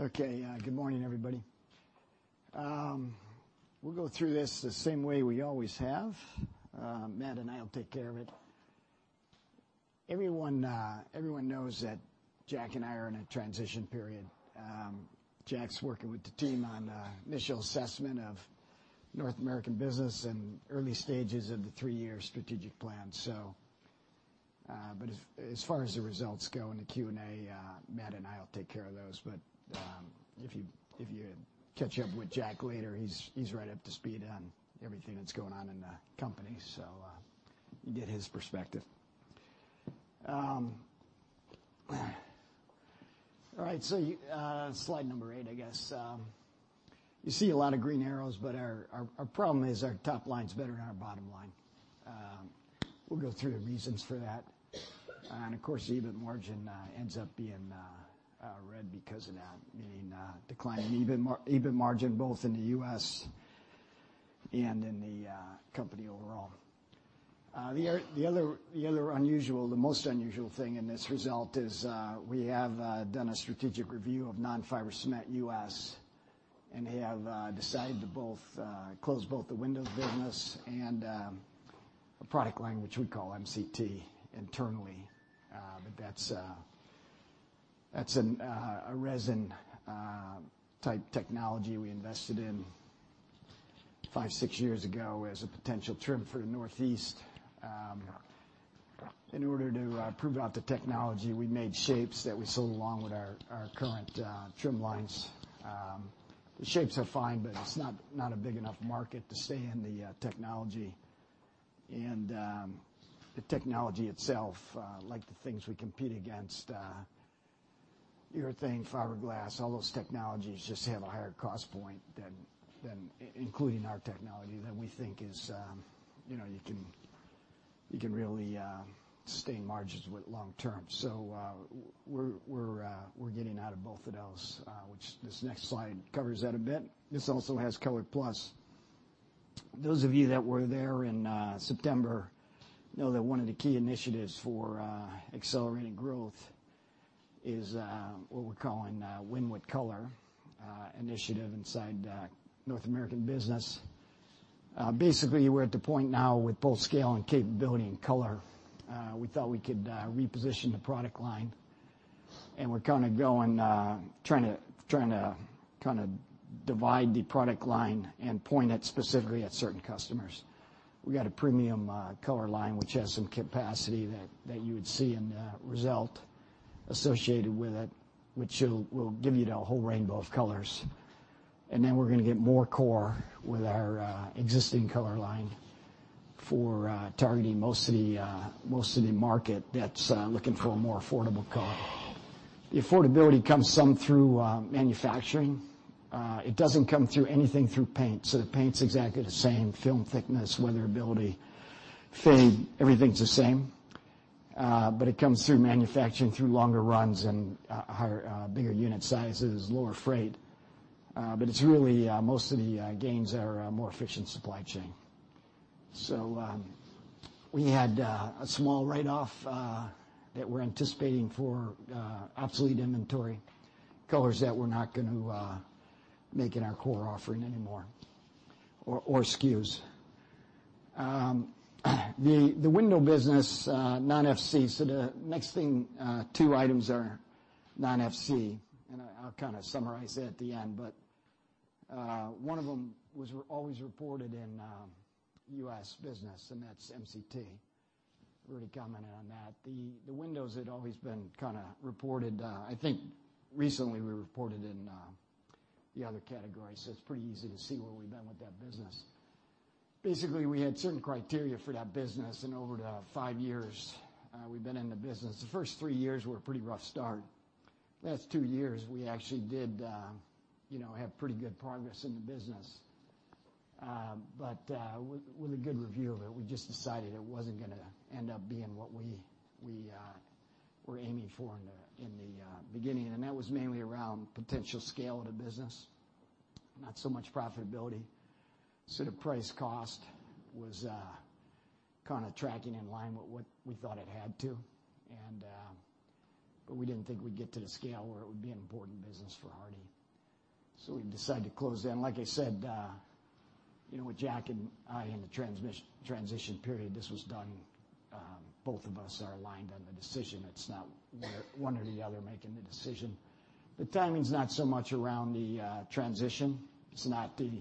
Okay, good morning, everybody. We'll go through this the same way we always have. Matt and I will take care of it. Everyone, everyone knows that Jack and I are in a transition period. Jack's working with the team on initial assessment of North American business and early stages of the three-year strategic plan. So, but as far as the results go in the Q&A, Matt and I will take care of those. But, if you catch up with Jack later, he's right up to speed on everything that's going on in the company, so, you get his perspective. All right, so, slide number eight, I guess. You see a lot of green arrows, but our problem is our top line's better than our bottom line. We'll go through the reasons for that. Of course, EBIT margin ends up being red because of that, meaning declining EBIT margin, both in the U.S. and in the company overall. The most unusual thing in this result is we have done a strategic review of non-fiber cement U.S., and have decided to close both the windows business and a product line, which we call MCT internally. But that's a resin type technology we invested in five, six years ago as a potential trim for the Northeast. In order to prove out the technology, we made shapes that we sold along with our current trim lines. The shapes are fine, but it's not a big enough market to stay in the technology. The technology itself, like the things we compete against, urethane, fiberglass, all those technologies just have a higher cost point than including our technology than we think is. You know, you can really sustain margins with long term. We're getting out of both of those, which this next slide covers that a bit. This also has ColorPlus. Those of you that were there in September know that one of the key initiatives for accelerating growth is what we're calling Win With Color initiative inside North American business. Basically, we're at the point now with both scale and capability and color, we thought we could reposition the product line, and we're kinda going, trying to kind of divide the product line and point it specifically at certain customers. We got a premium color line, which has some capacity that you would see in the result associated with it, which it'll give you the whole rainbow of colors. And then we're gonna get more core with our existing color line for targeting most of the market that's looking for a more affordable color. The affordability comes some through manufacturing. It doesn't come through anything through paint, so the paint's exactly the same, film thickness, weatherability, fade, everything's the same. But it comes through manufacturing, through longer runs and higher bigger unit sizes, lower freight. But it's really most of the gains are a more efficient supply chain. So we had a small write-off that we're anticipating for obsolete inventory, colors that we're not going to make in our core offering anymore, or SKUs. The Window business, non-FC. So the next thing two items are non-FC, and I'll kinda summarize it at the end, but one of them was always reported in U.S. business, and that's MCT. Already commented on that. The Windows had always been kinda reported. I think recently we reported in the other category, so it's pretty easy to see where we've been with that business. Basically, we had certain criteria for that business, and over the five years we've been in the business, the first three years were a pretty rough start. Last two years, we actually did, you know, have pretty good progress in the business. But with a good review of it, we just decided it wasn't gonna end up being what we were aiming for in the beginning, and that was mainly around potential scale of the business, not so much profitability. So the price cost was kind of tracking in line with what we thought it had to, and, but we didn't think we'd get to the scale where it would be an important business for Hardie. So we decided to close down. Like I said, you know, with Jack and I in the transition period, this was done, both of us are aligned on the decision. It's not one or the other making the decision. The timing's not so much around the transition. It's not the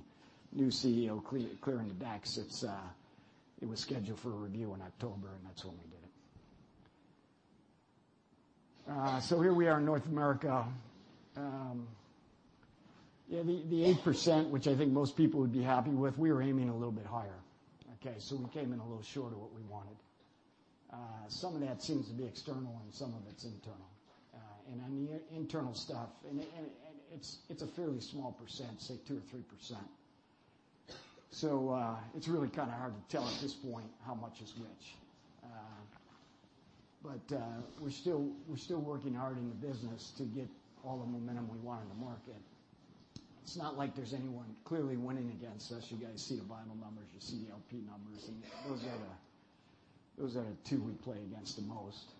new CEO clearing the decks. It was scheduled for a review in October, and that's when we did it. So here we are in North America. Yeah, the 8%, which I think most people would be happy with, we were aiming a little bit higher, okay? So we came in a little short of what we wanted. Some of that seems to be external, and some of it's internal. And on the internal stuff, and it's a fairly small percent, say 2% or 3%. So, it's really kinda hard to tell at this point how much is which. But we're still working hard in the business to get all the momentum we want in the market. It's not like there's anyone clearly winning against us. You guys see the vinyl numbers, you see the LP numbers, and those are the two we play against the most.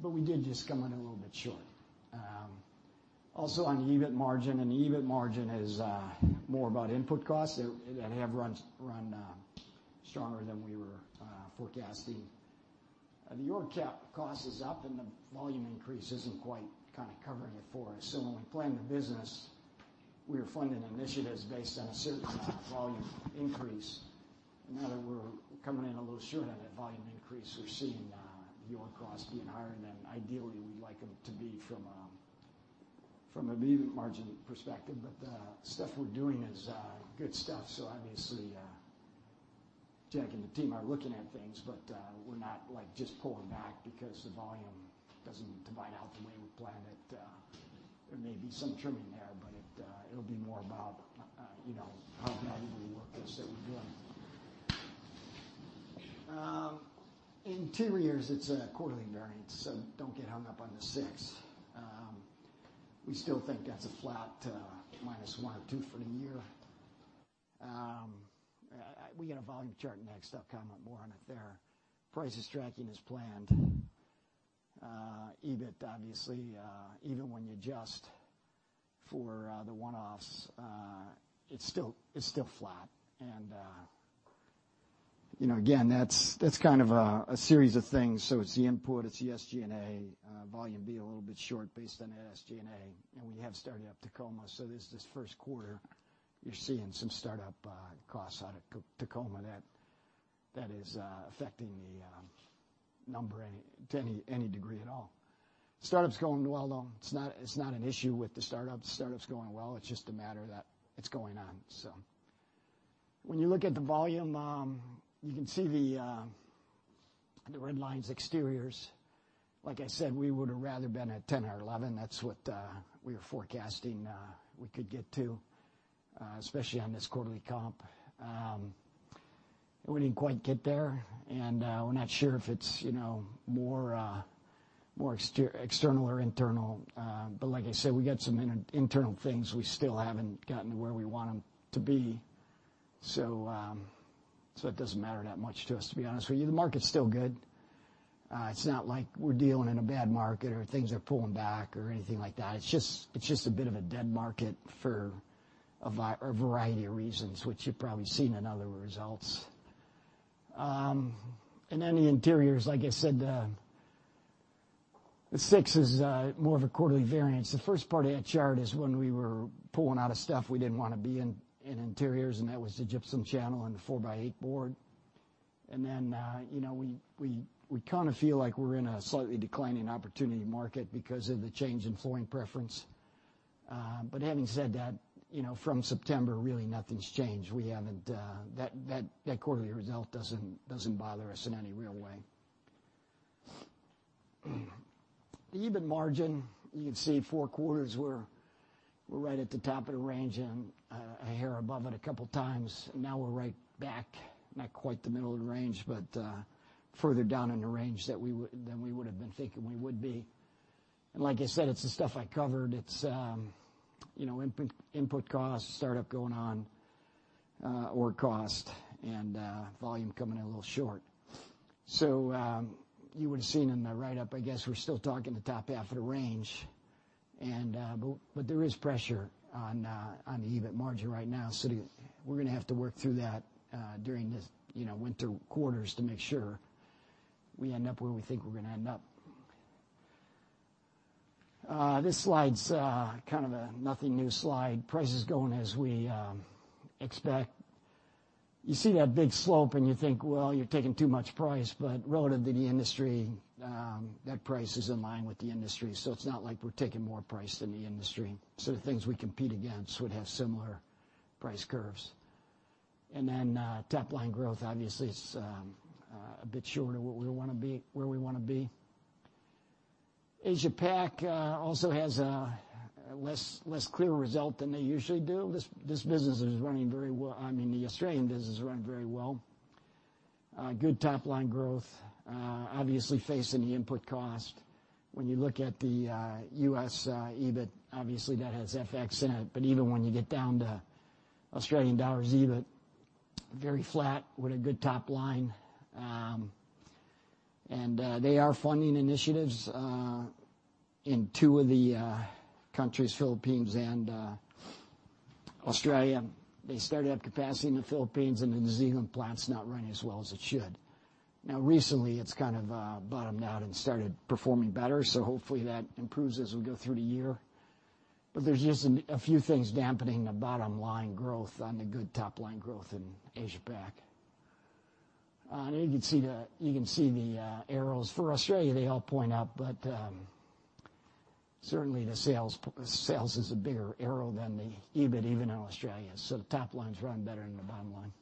But we did just come in a little bit short. Also on EBIT margin, and the EBIT margin is more about input costs that have run stronger than we were forecasting. Our CapEx is up, and the volume increase isn't quite kinda covering it for us. So when we plan the business, we were funding initiatives based on a certain volume increase. Now that we're coming in a little short on that volume increase, we're seeing your costs being higher than ideally we'd like them to be from an EBIT margin perspective. But the stuff we're doing is good stuff, so obviously Jack and the team are looking at things, but we're not, like, just pulling back because the volume doesn't divide out the way we planned it. There may be some trimming there, but it'll be more about, you know, how valuable the work is that we're doing. Interiors, it's a quarterly variance, so don't get hung up on the six. We still think that's a flat minus one or two for the year. We get a volume chart next. I'll comment more on it there. Price is tracking as planned. EBIT, obviously, even when you adjust for the one-offs, it's still, it's still flat. And you know, again, that's, that's kind of a series of things. So it's the input, it's the SG&A, volume be a little bit short based on the SG&A, and we have started up Tacoma. So there's this first quarter, you're seeing some startup costs out of Tacoma that is affecting the number to any degree at all. Startup's going well, though. It's not, it's not an issue with the startup. The startup's going well. It's just a matter that it's going on, so. When you look at the volume, you can see the red line's exteriors. Like I said, we would have rather been at 10 or 11. That's what we were forecasting we could get to, especially on this quarterly comp. We didn't quite get there, and we're not sure if it's, you know, more external or internal, but like I said, we got some internal things we still haven't gotten to where we want them to be. So it doesn't matter that much to us, to be honest with you. The market's still good. It's not like we're dealing in a bad market, or things are pulling back, or anything like that. It's just a bit of a dead market for a variety of reasons, which you've probably seen in other results. And then the interiors, like I said, the six is more of a quarterly variance. The first part of that chart is when we were pulling out of stuff we didn't wanna be in, in interiors, and that was the gypsum channel and the four-by-eight board. And then, you know, we kinda feel like we're in a slightly declining opportunity market because of the change in flooring preference. But having said that, you know, from September, really, nothing's changed. That quarterly result doesn't bother us in any real way. The EBIT margin, you can see four quarters were right at the top of the range and, a hair above it a couple times. Now we're right back, not quite the middle of the range, but, further down in the range that we would, than we would've been thinking we would be. And like I said, it's the stuff I covered. It's, you know, input costs, startup going on, org cost, and volume coming in a little short. So, you would've seen in the write-up, I guess, we're still talking the top half of the range, and but there is pressure on the EBIT margin right now. So we're gonna have to work through that during this, you know, winter quarters to make sure we end up where we think we're gonna end up. This slide's kind of a nothing new slide. Price is going as we expect. You see that big slope, and you think, well, you're taking too much price, but relative to the industry, that price is in line with the industry. So it's not like we're taking more price than the industry. So the things we compete against would have similar price curves. And then, top-line growth, obviously, is a bit short of what we wanna be, where we wanna be. Asia Pac also has a less clear result than they usually do. This business is running very well, I mean, the Australian business is running very well. Good top-line growth, obviously facing the input cost. When you look at the U.S. EBIT, obviously that has FX in it, but even when you get down to Australian dollars EBIT, very flat with a good top line. And they are funding initiatives in two of the countries, Philippines and Australia. They started out capacity in the Philippines, and the New Zealand plant's not running as well as it should. Now, recently, it's kind of bottomed out and started performing better, so hopefully, that improves as we go through the year, but there's just a few things dampening the bottom line growth on the good top-line growth in Asia Pac. You can see the arrows. For Australia, they all point up, but certainly, the sales is a bigger arrow than the EBIT, even in Australia, so the top line's running better than the bottom line.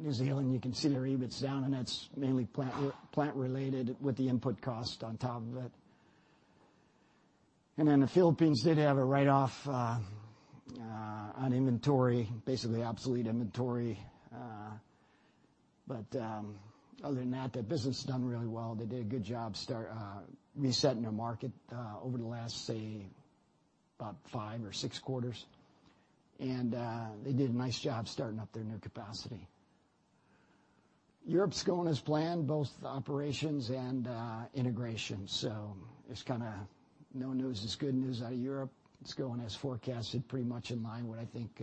New Zealand, you can see their EBIT's down, and that's mainly plant related with the input cost on top of it, and then the Philippines did have a write-off on inventory, basically obsolete inventory. But other than that, that business has done really well. They did a good job start resetting their market over the last, say, about five or six quarters, and they did a nice job starting up their new capacity. Europe's going as planned, both the operations and integration, so it's kinda no news is good news out of Europe. It's going as forecasted, pretty much in line with what I think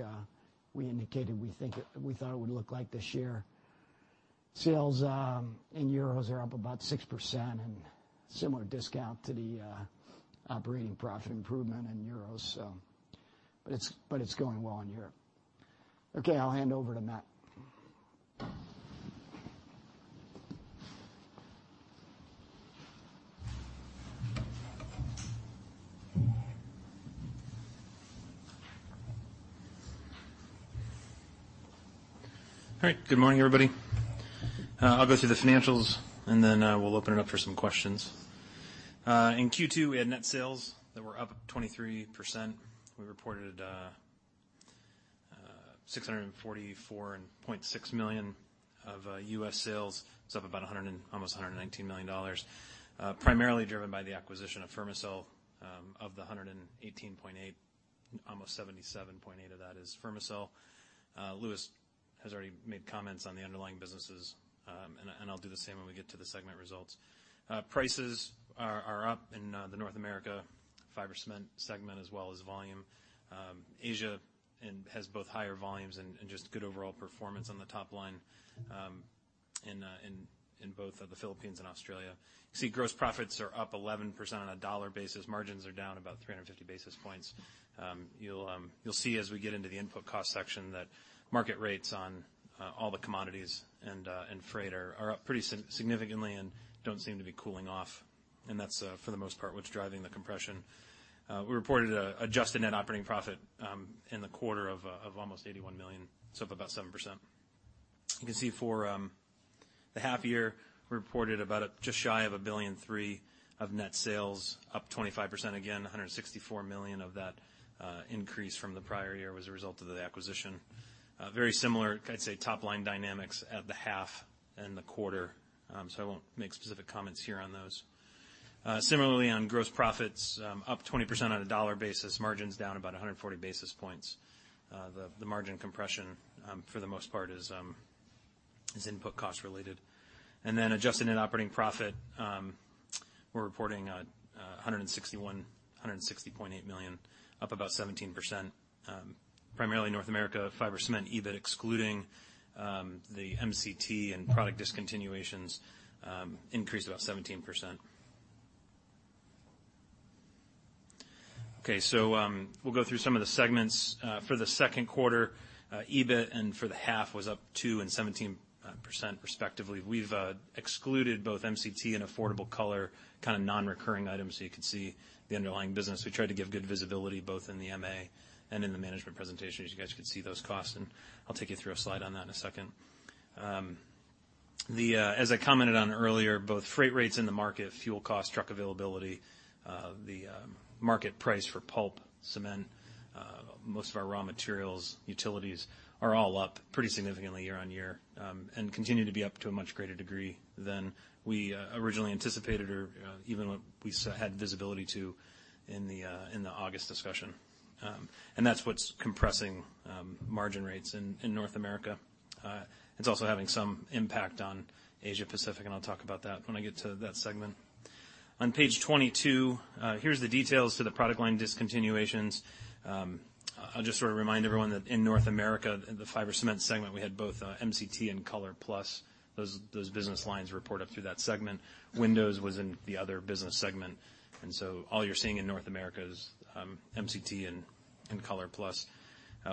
we indicated we thought it would look like this year. Sales in euros are up about 6%, and similar discount to the operating profit improvement in euros, so but it's going well in Europe. Okay, I'll hand over to Matt. All right, good morning, everybody. I'll go through the financials, and then we'll open it up for some questions. In Q2, we had net sales that were up 23%. We reported $644.6 million of US sales. It's up about $119 million, primarily driven by the acquisition of Fermacell. Of the $118.8, almost $77.8 of that is Fermacell. Louis has already made comments on the underlying businesses, and I'll do the same when we get to the segment results. Prices are up in the North America Fiber Cement segment, as well as volume. Asia, and has both higher volumes and just good overall performance on the top line, in both the Philippines and Australia. You see, gross profits are up 11% on a dollar basis. Margins are down about 350 basis points. You'll see as we get into the input cost section, that market rates on all the commodities and freight are up pretty significantly, and don't seem to be cooling off, and that's for the most part what's driving the compression. We reported an adjusted net operating profit in the quarter of almost $81 million, so up about 7%. You can see for the half year, we reported about just shy of $1.003 billion of net sales, up 25%. Again, $164 million of that increase from the prior year was a result of the acquisition. Very similar, I'd say, top-line dynamics at the half and the quarter, so I won't make specific comments here on those. Similarly, on gross profits, up 20% on a dollar basis. Margins down about 140 basis points. The margin compression, for the most part, is input cost related. And then adjusted net operating profit, we're reporting $160.8 million, up about 17%. Primarily North America, Fiber Cement, EBIT, excluding the MCT and product discontinuations, increased about 17%. Okay, so we'll go through some of the segments. For the second quarter, EBIT, and for the half, was up 2% and 17% respectively. We've excluded both MCT and Affordable Color, kinda non-recurring items, so you could see the underlying business. We tried to give good visibility, both in the MA and in the management presentation, as you guys could see those costs, and I'll take you through a slide on that in a second. As I commented on earlier, both freight rates in the market, fuel cost, truck availability, the market price for pulp, cement, most of our raw materials, utilities, are all up pretty significantly year on year and continue to be up to a much greater degree than we originally anticipated, or even when we had visibility to in the August discussion. And that's what's compressing margin rates in North America. It's also having some impact on Asia Pacific, and I'll talk about that when I get to that segment. On page 22, here's the details to the product line discontinuations. I'll just sort of remind everyone that in North America, in the Fiber Cement segment, we had both MCT and ColorPlus. Those business lines report up through that segment. Windows was in the other business segment, and so all you're seeing in North America is MCT and ColorPlus.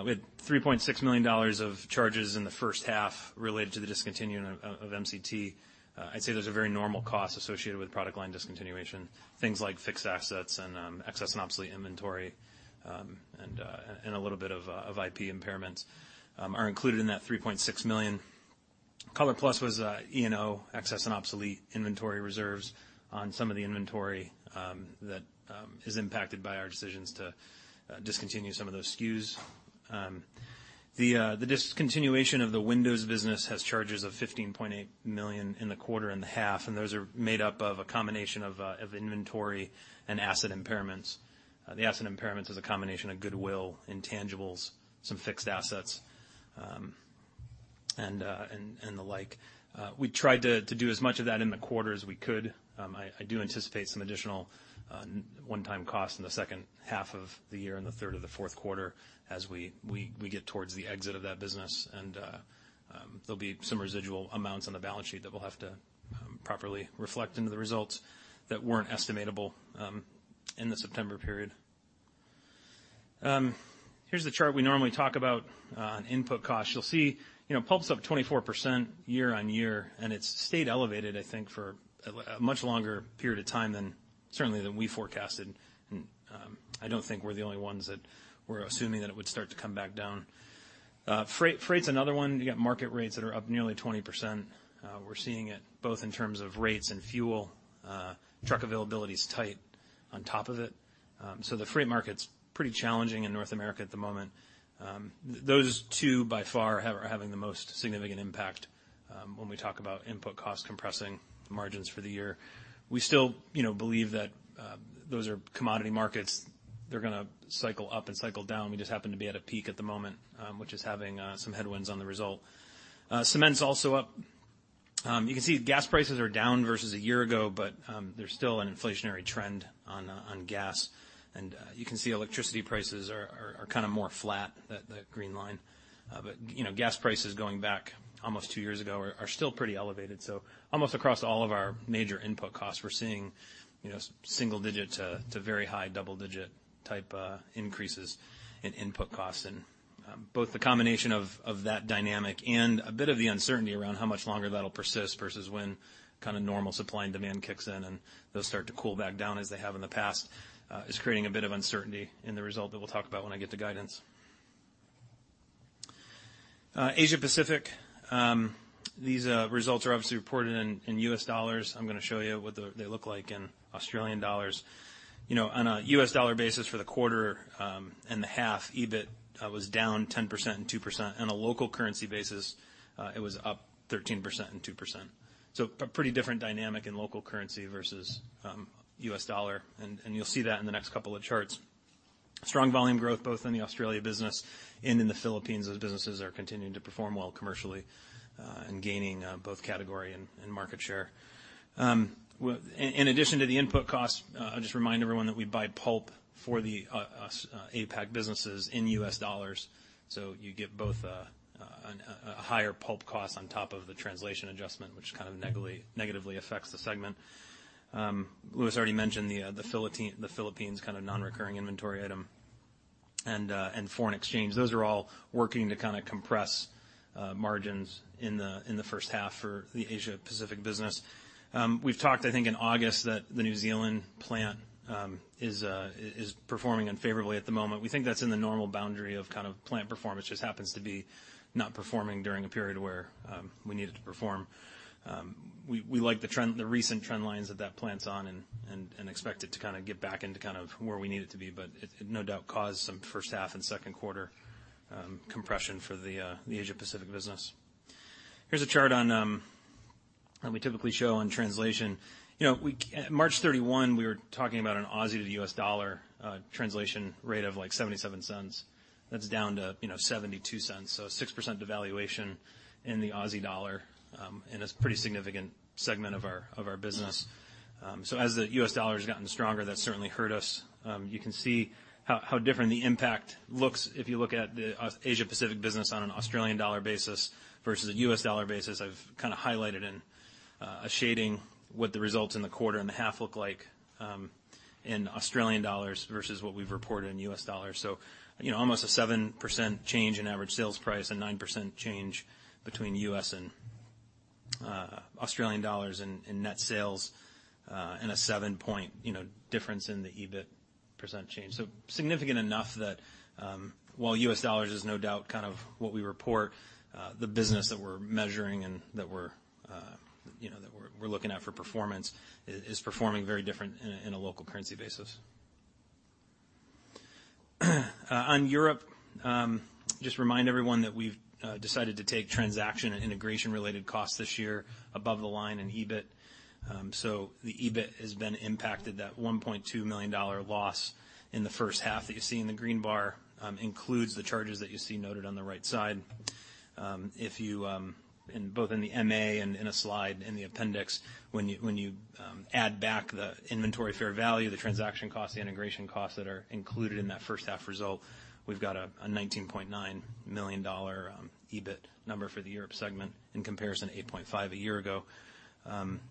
We had $3.6 million of charges in the first half related to the discontinuing of MCT. I'd say those are very normal costs associated with product line discontinuation. Things like fixed assets and excess and obsolete inventory and a little bit of IP impairments are included in that $3.6 million. ColorPlus was E&O, excess and obsolete inventory reserves on some of the inventory that is impacted by our decisions to discontinue some of those SKUs. The discontinuation of the Windows business has charges of $15.8 million in the quarter and the half, and those are made up of a combination of inventory and asset impairments. The asset impairments is a combination of goodwill, intangibles, some fixed assets, and the like. We tried to do as much of that in the quarter as we could. I do anticipate some additional one-time costs in the second half of the year, in the third or the fourth quarter, as we get towards the exit of that business. And there'll be some residual amounts on the balance sheet that we'll have to properly reflect into the results that weren't estimatable in the September period. Here's the chart we normally talk about on input costs. You'll see, you know, pulp's up 24% year on year, and it's stayed elevated, I think, for a much longer period of time than certainly than we forecasted. And I don't think we're the only ones that were assuming that it would start to come back down. Freight's another one. You got market rates that are up nearly 20%. We're seeing it both in terms of rates and fuel. Truck availability's tight on top of it, so the Freight market's pretty challenging in North America at the moment. Those two, by far, are having the most significant impact when we talk about input costs compressing margins for the year. We still, you know, believe that those are commodity markets. They're gonna cycle up and cycle down. We just happen to be at a peak at the moment, which is having some headwinds on the result. Cement's also up. You can see gas prices are down versus a year ago, but there's still an inflationary trend on gas, and you can see electricity prices are kind of more flat, that green line. But, you know, gas prices going back almost two years ago are still pretty elevated. So almost across all of our major input costs, we're seeing, you know, single-digit to very high double-digit type increases in input costs. And both the combination of that dynamic and a bit of the uncertainty around how much longer that'll persist versus when kind of normal supply and demand kicks in, and they'll start to cool back down as they have in the past is creating a bit of uncertainty in the result that we'll talk about when I get to guidance. Asia Pacific, these results are obviously reported in U.S. dollars. I'm gonna show you what they look like in Australian dollars. You know, on a U.S. dollar basis for the quarter, and the half, EBIT was down 10% and 2%. On a local currency basis, it was up 13% and 2%, so a pretty different dynamic in local currency versus U.S. dollar, and you'll see that in the next couple of charts. Strong volume growth, both in the Australia business and in the Philippines. Those businesses are continuing to perform well commercially, and gaining both category and market share. Well, in addition to the input costs, I'll just remind everyone that we buy pulp for our APAC businesses in U.S. dollars, so you get both a higher pulp cost on top of the translation adjustment, which kind of negatively affects the segment. Louis already mentioned the Philippines kind of non-recurring inventory item and foreign exchange. Those are all working to kind of compress margins in the first half for the Asia Pacific business. We've talked, I think, in August, that the New Zealand plant is performing unfavorably at the moment. We think that's in the normal boundary of kind of plant performance. It just happens to be not performing during a period where we need it to perform. We like the trend, the recent trend lines that that plant's on and expect it to kind of get back into kind of where we need it to be. But it no doubt caused some first half and second quarter compression for the Asia Pacific business. Here's a chart on that we typically show on translation. You know, we -- At March 31, we were talking about an Aussie to the U.S. dollar translation rate of, like, 0.77. That's down to, you know, 0.72, so a 6% devaluation in the Aussie dollar in a pretty significant segment of our business. So as the U.S. dollar's gotten stronger, that's certainly hurt us. You can see how different the impact looks if you look at the Asia Pacific business on an Australian dollar basis versus a U.S. dollar basis. I've kind of highlighted in a shading what the results in the quarter and the half look like in Australian dollars versus what we've reported in U.S. dollars. So, you know, almost a 7% change in average sales price, a 9% change between U.S. and Australian dollars in net sales, and a seven-point, you know, difference in the EBIT percent change. So significant enough that, while U.S. dollars is no doubt kind of what we report, the business that we're measuring and that we're, you know, that we're looking at for performance is performing very different in a local currency basis. On Europe, just remind everyone that we've decided to take transaction and integration-related costs this year above the line in EBIT. So the EBIT has been impacted. That $1.2 million loss in the first half that you see in the green bar includes the charges that you see noted on the right side. If you, in both in the M&A and in a slide in the appendix, when you add back the inventory fair value, the transaction costs, the integration costs that are included in that first half result, we've got a $19.9 million EBIT number for the Europe segment, in comparison to $8.5 million a year ago.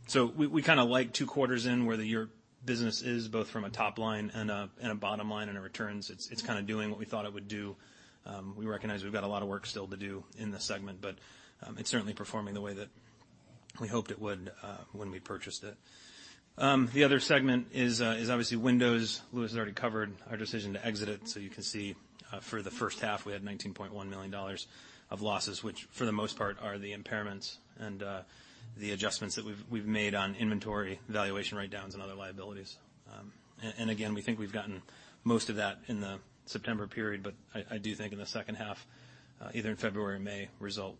So we kind of like two quarters in where the Europe business is, both from a top line and a bottom line and the returns. It's kind of doing what we thought it would do. We recognize we've got a lot of work still to do in this segment, but it's certainly performing the way that we hoped it would when we purchased it. The other segment is obviously Windows. Louis has already covered our decision to exit it, so you can see, for the first half, we had $19.1 million of losses, which, for the most part, are the impairments and, the adjustments that we've made on inventory valuation, writedowns, and other liabilities. And again, we think we've gotten most of that in the September period, but I do think in the second half, either in February or May result,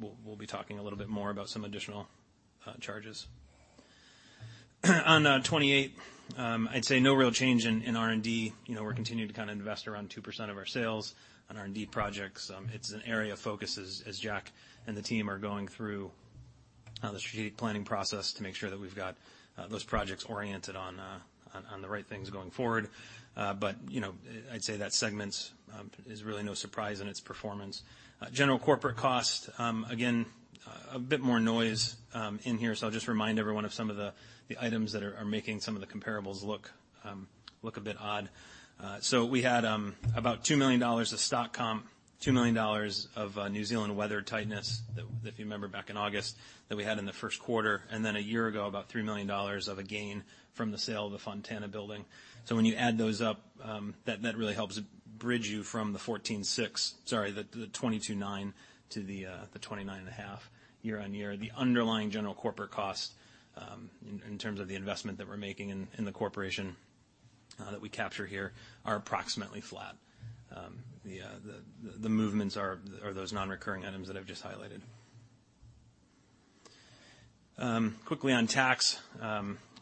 we'll be talking a little bit more about some additional, charges. On 28, I'd say no real change in R&D. You know, we're continuing to kind of invest around 2% of our sales on R&D projects. It's an area of focus as Jack and the team are going through the strategic planning process to make sure that we've got those projects oriented on the right things going forward. But you know, I'd say that segment's is really no surprise in its performance. General corporate costs, again, a bit more noise in here, so I'll just remind everyone of some of the items that are making some of the comparables look a bit odd. So we had about $2 million of stock comp, $2 million of New Zealand weather tightness, that if you remember back in August, that we had in the first quarter, and then a year ago, about $3 million of a gain from the sale of the Fontana building. So when you add those up, that really helps bridge you from the 14.6%, sorry, the 22.9% to the 29.5% year-on-year. The underlying general corporate cost, in terms of the investment that we're making in the corporation, that we capture here, are approximately flat. The movements are those non-recurring items that I've just highlighted. Quickly on tax,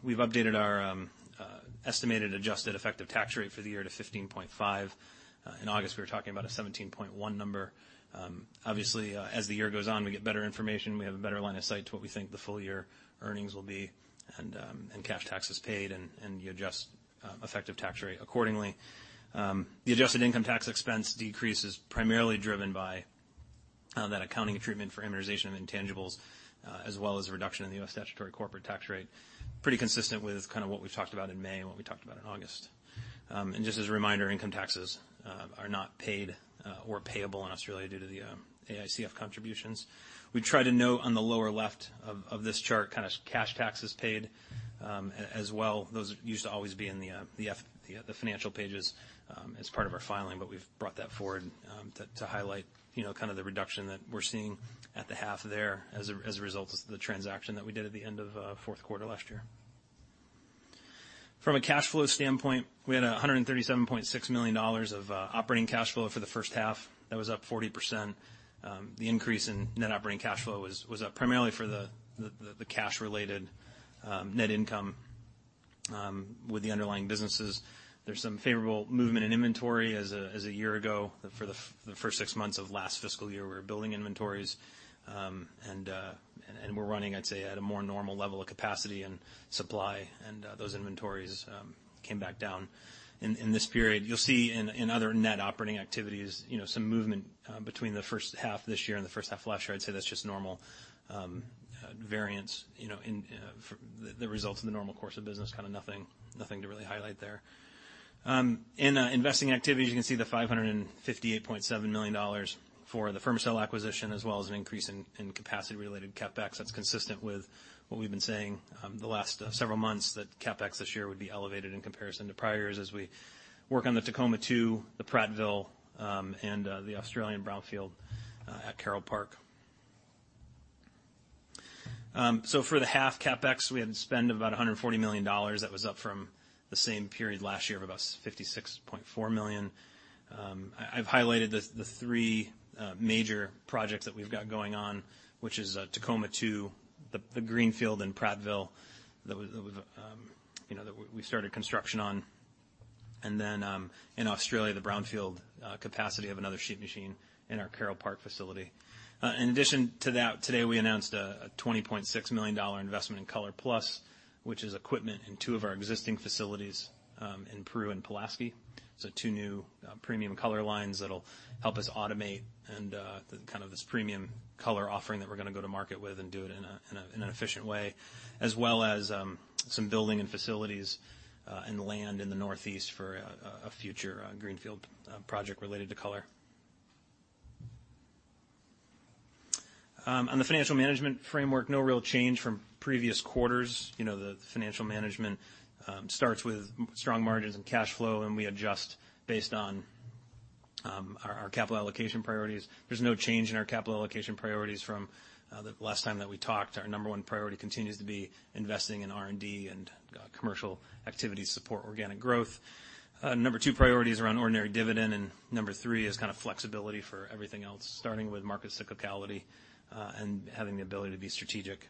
we've updated our estimated adjusted effective tax rate for the year to 15.5%. In August, we were talking about a 17.1% number. Obviously, as the year goes on, we get better information, we have a better line of sight to what we think the full year earnings will be, and cash taxes paid, and you adjust effective tax rate accordingly. The adjusted income tax expense decrease is primarily driven by that accounting treatment for amortization of intangibles, as well as a reduction in the U.S. statutory corporate tax rate. Pretty consistent with kind of what we've talked about in May, and what we talked about in August. And just as a reminder, income taxes are not paid or payable in Australia due to the AICF contributions. We try to note on the lower left of this chart, kind of cash taxes paid, as well. Those used to always be in the financial pages as part of our filing, but we've brought that forward to highlight, you know, kind of the reduction that we're seeing at the half there as a result of the transaction that we did at the end of fourth quarter last year. From a cash flow standpoint, we had $137.6 million of operating cash flow for the first half. That was up 40%. The increase in net operating cash flow was up primarily for the cash-related net income with the underlying businesses. There's some favorable movement in inventory as a year ago, for the first six months of last fiscal year, we were building inventories. We're running, I'd say, at a more normal level of capacity and supply, and those inventories came back down in this period. You'll see in other net operating activities, you know, some movement between the first half of this year and the first half of last year. I'd say that's just normal variance, you know, in the results of the normal course of business, kind of nothing to really highlight there. In investing activities, you can see the $558.7 million for the Fermacell acquisition, as well as an increase in capacity-related CapEx. That's consistent with what we've been saying, the last several months, that CapEx this year would be elevated in comparison to prior years as we work on the Tacoma 2, the Prattville, and the Australian brownfield at Carole Park. So for the half CapEx, we had to spend about $140 million. That was up from the same period last year of about $56.4 million. I've highlighted the three major projects that we've got going on, which is Tacoma 2, the Greenfield in Prattville, that you know we started construction on, and then in Australia, the brownfield capacity of another sheet machine in our Carole Park facility. In addition to that, today, we announced a $20.6 million investment in ColorPlus, which is equipment in two of our existing facilities in Peru and Pulaski. So two new premium color lines that'll help us automate and kind of this premium color offering that we're gonna go to market with and do it in an efficient way, as well as some building and facilities and land in the Northeast for a future greenfield project related to color. On the financial management framework, no real change from previous quarters. You know, the financial management starts with strong margins and cash flow, and we adjust based on our capital allocation priorities. There's no change in our capital allocation priorities from the last time that we talked. Our number one priority continues to be investing in R&D and commercial activity support organic growth. Number two priority is around ordinary dividend, and number three is kind of flexibility for everything else, starting with market cyclicality and having the ability to be strategic.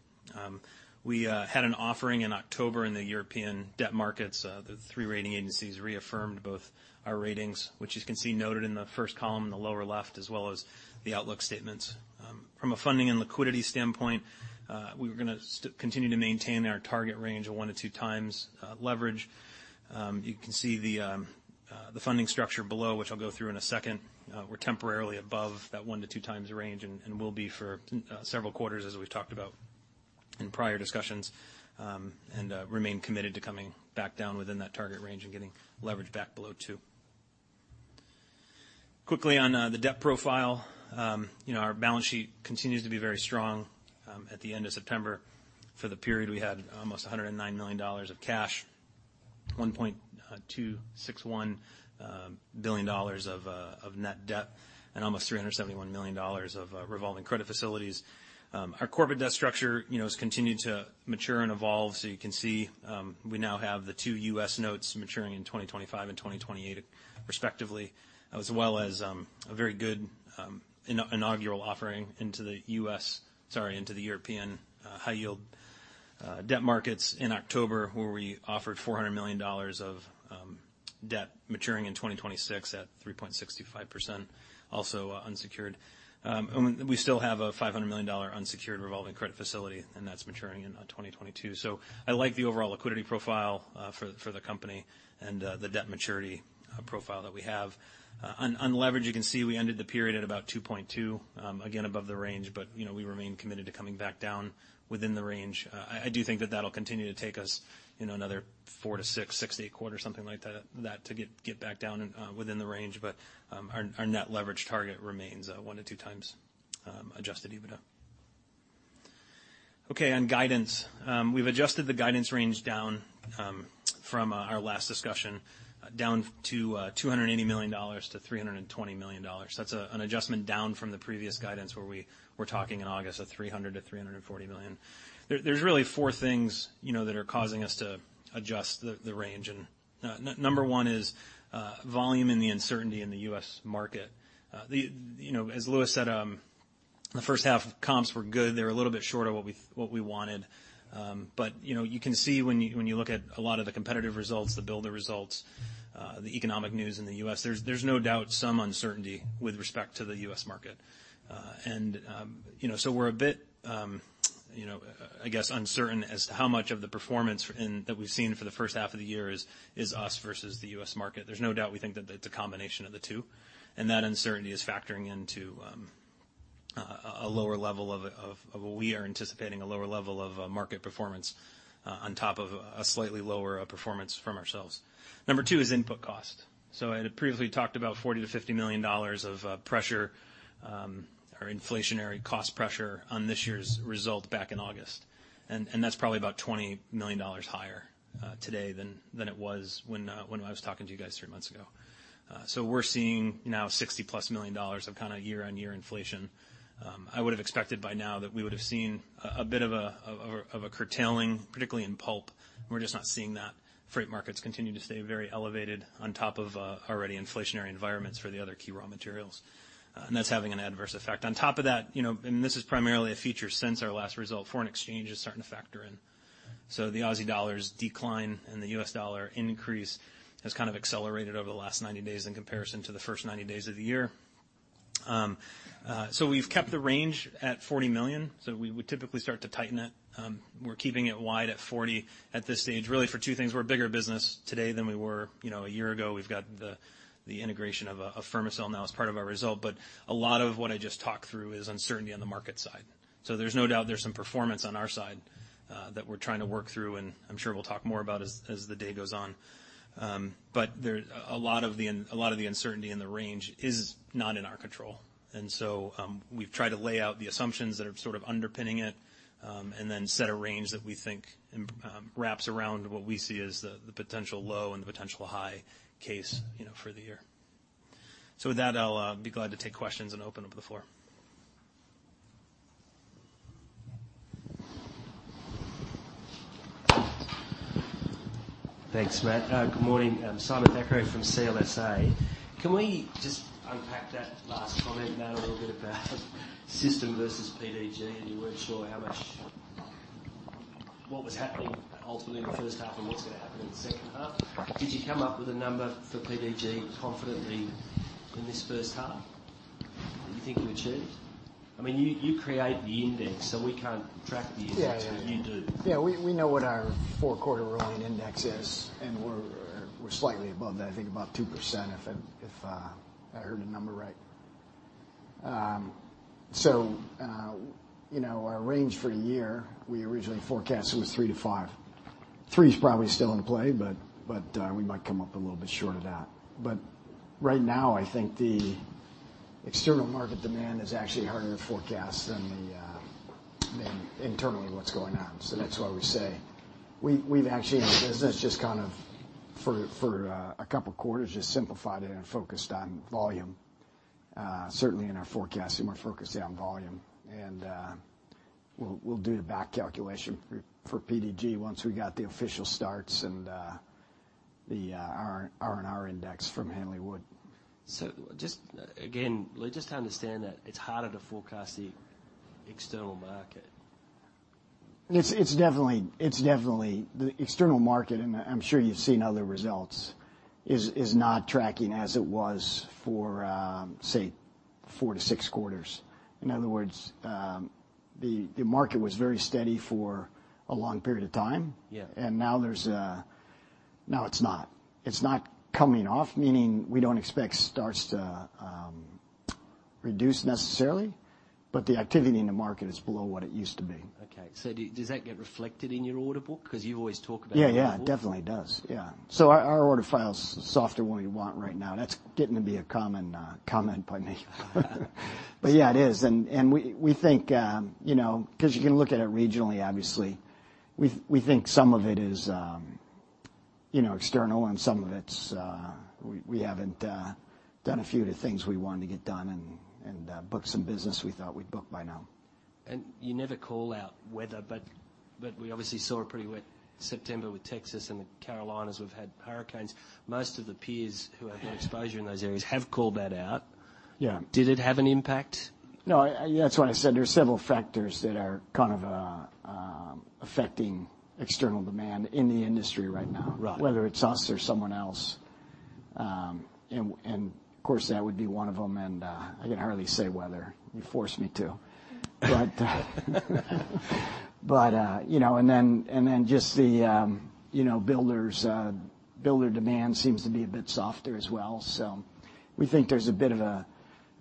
We had an offering in October in the European debt markets. The three rating agencies reaffirmed both our ratings, which you can see noted in the first column in the lower left, as well as the outlook statements. From a funding and liquidity standpoint, we were gonna continue to maintain our target range of one to two times leverage. You can see the funding structure below, which I'll go through in a second. We're temporarily above that one to two times range and will be for several quarters, as we've talked about in prior discussions, and remain committed to coming back down within that target range and getting leverage back below two. Quickly on the debt profile, you know, our balance sheet continues to be very strong. At the end of September, for the period, we had almost $109 million of cash, $1.261 billion of net debt, and almost $371 million of revolving credit facilities. Our corporate debt structure, you know, has continued to mature and evolve. So you can see, we now have the two U.S. notes maturing in 2025 and 2028, respectively, as well as a very good inaugural offering into the European high-yield debt markets in October, where we offered $400 million of debt maturing in 2026 at 3.65%, also unsecured. And we still have a $500 million unsecured revolving credit facility, and that's maturing in 2022. I like the overall liquidity profile for the company and the debt maturity profile that we have. On leverage, you can see we ended the period at about 2.2%, again, above the range, but, you know, we remain committed to coming back down within the range. I do think that that'll continue to take us, you know, another four to six, six to eight quarters, something like that, to get back down within the range. But our net leverage target remains one to two times adjusted EBITDA. Okay, on guidance, we've adjusted the guidance range down from our last discussion, down to $280 million-$320 million. That's an adjustment down from the previous guidance, where we were talking in August of $300 million-$340 million. There's really four things, you know, that are causing us to adjust the range, and number one is volume and the uncertainty in the U.S. market. You know, as Louis said, the first half comps were good. They were a little bit short of what we wanted. But, you know, you can see when you look at a lot of the competitive results, the builder results, the economic news in the U.S., there's no doubt some uncertainty with respect to the U.S. market. And, you know, so we're a bit, you know, I guess, uncertain as to how much of the performance in that we've seen for the first half of the year is us versus the U.S. market. There's no doubt we think that it's a combination of the two, and that uncertainty is factoring into a lower level of. We are anticipating a lower level of market performance on top of a slightly lower performance from ourselves. Number two is input cost. So I had previously talked about $40 million-$50 million of pressure or inflationary cost pressure on this year's result back in August, and that's probably about $20 million higher today than it was when I was talking to you guys three months ago. So we're seeing now $60+ million of kind of year-on-year inflation. I would have expected by now that we would have seen a bit of a curtailing, particularly in pulp. We're just not seeing that. Freight markets continue to stay very elevated on top of already inflationary environments for the other key raw materials, and that's having an adverse effect. On top of that, you know, and this is primarily a feature since our last result, foreign exchange is starting to factor in. So the Aussie dollar's decline and the U.S. dollar increase has kind of accelerated over the last 90 days in comparison to the first 90 days of the year. So we've kept the range at $40 million, so we would typically start to tighten it. We're keeping it wide at $40 million at this stage, really for two things. We're a bigger business today than we were, you know, a year ago. We've got the integration of Fermacell now as part of our result, but a lot of what I just talked through is uncertainty on the market side. So there's no doubt there's some performance on our side that we're trying to work through, and I'm sure we'll talk more about as the day goes on. But a lot of the uncertainty in the range is not in our control, and so we've tried to lay out the assumptions that are sort of underpinning it, and then set a range that we think wraps around what we see as the potential low and the potential high case, you know, for the year. So with that, I'll be glad to take questions and open up the floor. Thanks, Matt. Good morning. I'm Simon Thackray from CLSA. Can we just unpack that last comment, Matt, a little bit about system versus PDG, and you weren't sure how much, what was happening ultimately in the first half and what's going to happen in the second half? Did you come up with a number for PDG confidently in this first half that you think you achieved? I mean, you create the index, so we can't track the index- Yeah, yeah, yeah. You do. Yeah, we know what our fourth quarter rolling index is, and we're slightly above that, I think about 2%, if I heard the number right. So, you know, our range for the year, we originally forecasted was 3%-5%. 3% is probably still in play, but we might come up a little bit short of that. But right now, I think the external market demand is actually harder to forecast than internally what's going on. So that's why we say we've actually, in the business, just kind of, for a couple quarters, just simplified it and focused on volume. Certainly in our forecasting, we're focused on volume, and we'll do the back calculation for PDG once we got the official starts and our R&R index from Hanley Wood. So just again, just to understand that, it's harder to forecast the external market. It's definitely the external market, and I'm sure you've seen other results, is not tracking as it was for, say, four to six quarters. In other words, the market was very steady for a long period of time. Yeah. Now it's not. It's not coming off, meaning we don't expect starts to reduce necessarily, but the activity in the market is below what it used to be. Okay. So does that get reflected in your order book? Because you've always talked about your order book. Yeah, yeah, it definitely does. Yeah. So our order file is softer than what we want right now. That's getting to be a common comment by me. But yeah, it is. And we think, you know, because you can look at it regionally, obviously, we think some of it is, you know, external, and some of it's we haven't done a few of the things we wanted to get done and book some business we thought we'd book by now. You never call out weather, but, but we obviously saw a pretty wet September with Texas and the Carolinas. We've had hurricanes. Most of the peers who have exposure in those areas have called that out. Yeah. Did it have an impact? No, that's why I said there are several factors that are kind of affecting external demand in the industry right now- Right... Whether it's us or someone else. And of course, that would be one of them, and I can hardly say weather. You forced me to. But you know, and then just the, you know, builders, builder demand seems to be a bit softer as well. So we think there's a bit of a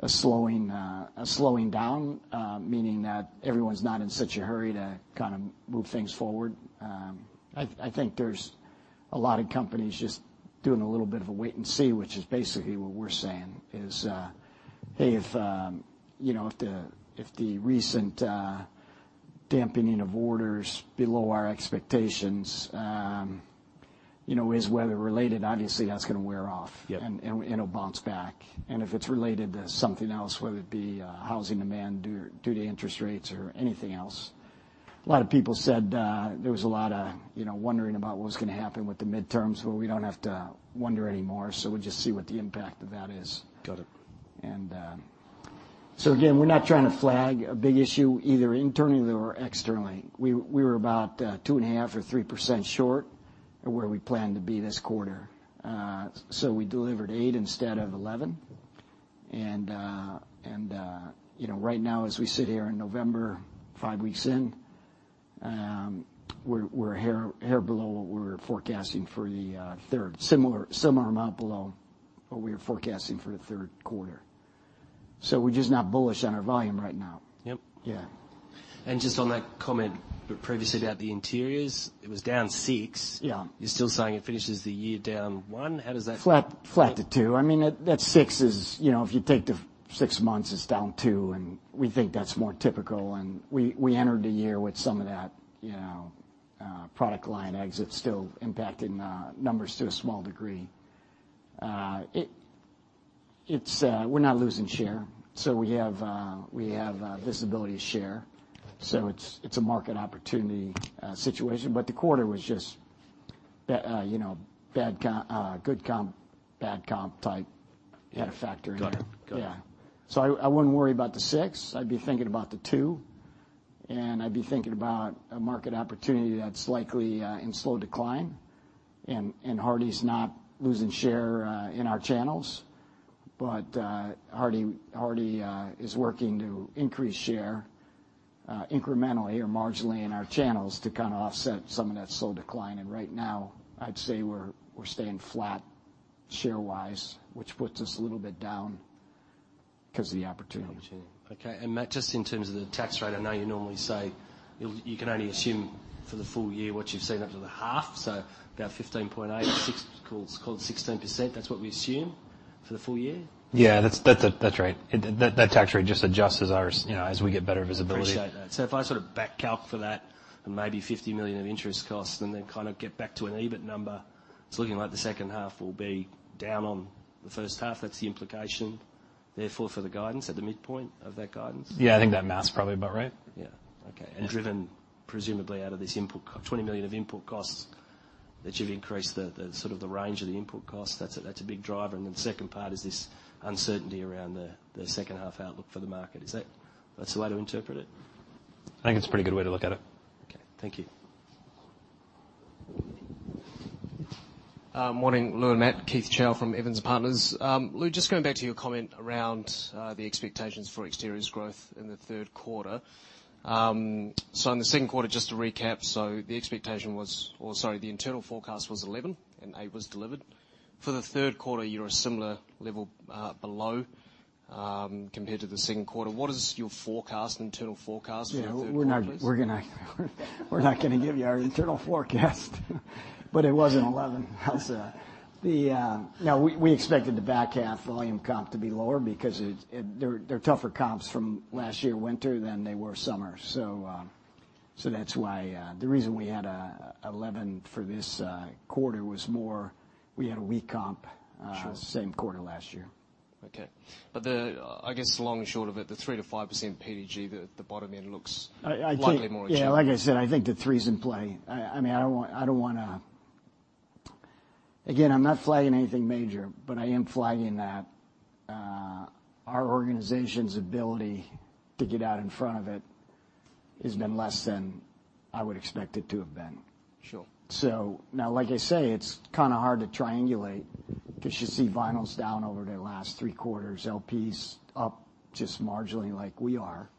slowing, a slowing down, meaning that everyone's not in such a hurry to kind of move things forward. I think there's a lot of companies just doing a little bit of a wait and see, which is basically what we're saying, is, hey, if you know, if the, if the recent dampening of orders below our expectations, you know, is weather related, obviously, that's gonna wear off. Yep. It'll bounce back. And if it's related to something else, whether it be housing demand due to interest rates or anything else, a lot of people said there was a lot of, you know, wondering about what was gonna happen with the midterms. We don't have to wonder anymore, so we'll just see what the impact of that is. Got it. So again, we're not trying to flag a big issue either internally or externally. We were about 2.5% or 3% short of where we planned to be this quarter. So we delivered eight instead of 11. And you know, right now, as we sit here in November, five weeks in, we're a hair below what we were forecasting for the third quarter, a similar amount below what we were forecasting for the third quarter. So we're just not bullish on our volume right now. Yep. Yeah. Just on that comment previously about the Interiors, it was down 6%. Yeah. You're still saying it finishes the year down one. How does that- Flat, flat to two. I mean, that six is, you know, if you take the six months, it's down two, and we think that's more typical, and we entered the year with some of that, you know, product line exits still impacting numbers to a small degree. It's, we're not losing share, so we have visibility of share, so it's a market opportunity situation. But the quarter was just bad comp, you know, good comp, bad comp type had a factor in there. Got it. Got it. Yeah. So I wouldn't worry about the six. I'd be thinking about the two, and I'd be thinking about a market opportunity that's likely in slow decline. And Hardie's not losing share in our channels, but Hardie is working to increase share incrementally or marginally in our channels to kind of offset some of that slow decline. And right now, I'd say we're staying flat share-wise, which puts us a little bit down because of the opportunity. Okay. And Matt, just in terms of the tax rate, I know you normally say you can only assume for the full year what you've seen up to the half, so about 15.86%. Call it 16%. That's what we assume for the full year? Yeah, that's right. That tax rate just adjusts as our, you know, as we get better visibility. Appreciate that. So if I sort of back calc for that and maybe $50 million of interest costs and then kind of get back to an EBIT number, it's looking like the second half will be down on the first half. That's the implication, therefore, for the guidance, at the midpoint of that guidance? Yeah, I think that math's probably about right. Yeah. Okay. Yeah. And driven presumably out of this input, $20 million of input costs, that you've increased the sort of range of the input costs. That's a big driver. And then the second part is this uncertainty around the second-half outlook for the market. Is that the way to interpret it? I think it's a pretty good way to look at it. Okay. Thank you. Morning, Lou and Matt. Keith Chau from Evans and Partners. Lou, just going back to your comment around the expectations for exteriors growth in the third quarter. So in the second quarter, just to recap, so the expectation was, or sorry, the internal forecast was 11%, and 8% was delivered. For the third quarter, you're a similar level below compared to the second quarter. What is your forecast, internal forecast for the third quarter, please? Yeah. We're not gonna give you our internal forecast, but it wasn't 11%. That's the... No, we expected the back half volume comp to be lower because they're tougher comps from last year winter than they were summer. So that's why the reason we had 11% for this quarter was more we had a weak comp- Sure. Same quarter last year. Okay. But I guess the long and short of it, the 3%-5% PDG, the bottom end looks- I think- likely more achievable. Yeah, like I said, I think the three's in play. I mean, I don't want, I don't wanna... Again, I'm not flagging anything major, but I am flagging that our organization's ability to get out in front of it has been less than I would expect it to have been. Sure. So now, like I say, it's kind of hard to triangulate 'cause you see vinyl's down over the last three quarters, LP's up just marginally like we are,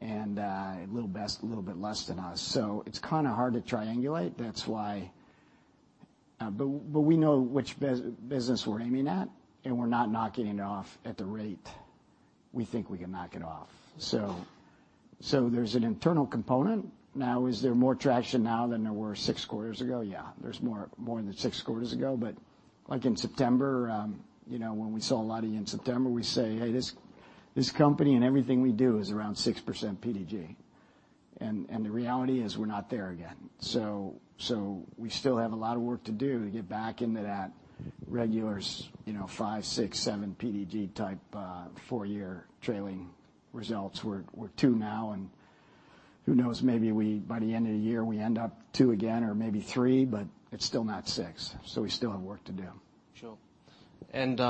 and a little less, a little bit less than us. So it's kind of hard to triangulate. That's why. But we know which business we're aiming at, and we're not knocking it off at the rate we think we can knock it off. So there's an internal component. Now, is there more traction now than there were six quarters ago? Yeah, there's more than six quarters ago. But like in September, you know, when we saw a lot of you in September, we say, "Hey, this company and everything we do is around 6% PDG," and the reality is, we're not there again. We still have a lot of work to do to get back into that regular, you know, five, six, seven PDG type four-year trailing results. We're two now, and who knows, maybe we, by the end of the year, we end up two again or maybe three, but it's still not six, so we still have work to do. Sure. And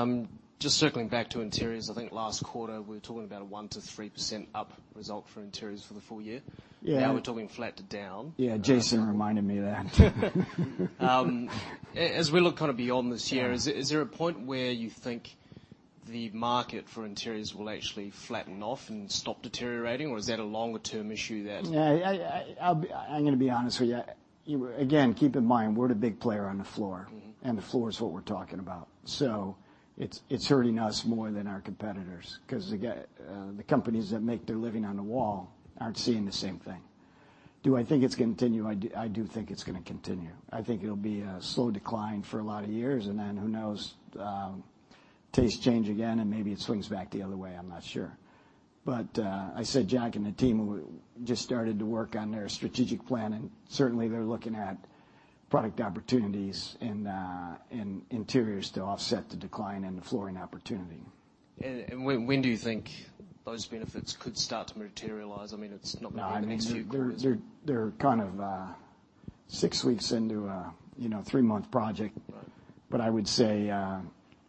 just circling back to Interiors, I think last quarter we were talking about a 1%-3% up result for Interiors for the full year. Yeah. Now we're talking flat to down. Yeah, Jason reminded me of that. As we look kind of beyond this year. Yeah Is there a point where you think the market for interiors will actually flatten off and stop deteriorating, or is that a longer-term issue that- Yeah, I'm gonna be honest with you. Again, keep in mind, we're the big player on the floor. Mm-hmm. And the floor is what we're talking about. So it's, it's hurting us more than our competitors- Mm-hmm 'Cause again, the companies that make their living on the wall aren't seeing the same thing... Do I think it's gonna continue? I do, I do think it's gonna continue. I think it'll be a slow decline for a lot of years, and then who knows, tastes change again, and maybe it swings back the other way, I'm not sure, but I said Jack and the team just started to work on their strategic plan, and certainly they're looking at product opportunities in interiors to offset the decline in the flooring opportunity. When do you think those benefits could start to materialize? I mean, it's not maybe in the next few quarters. I mean, they're kind of six weeks into a, you know, three-month project. Right. But I would say,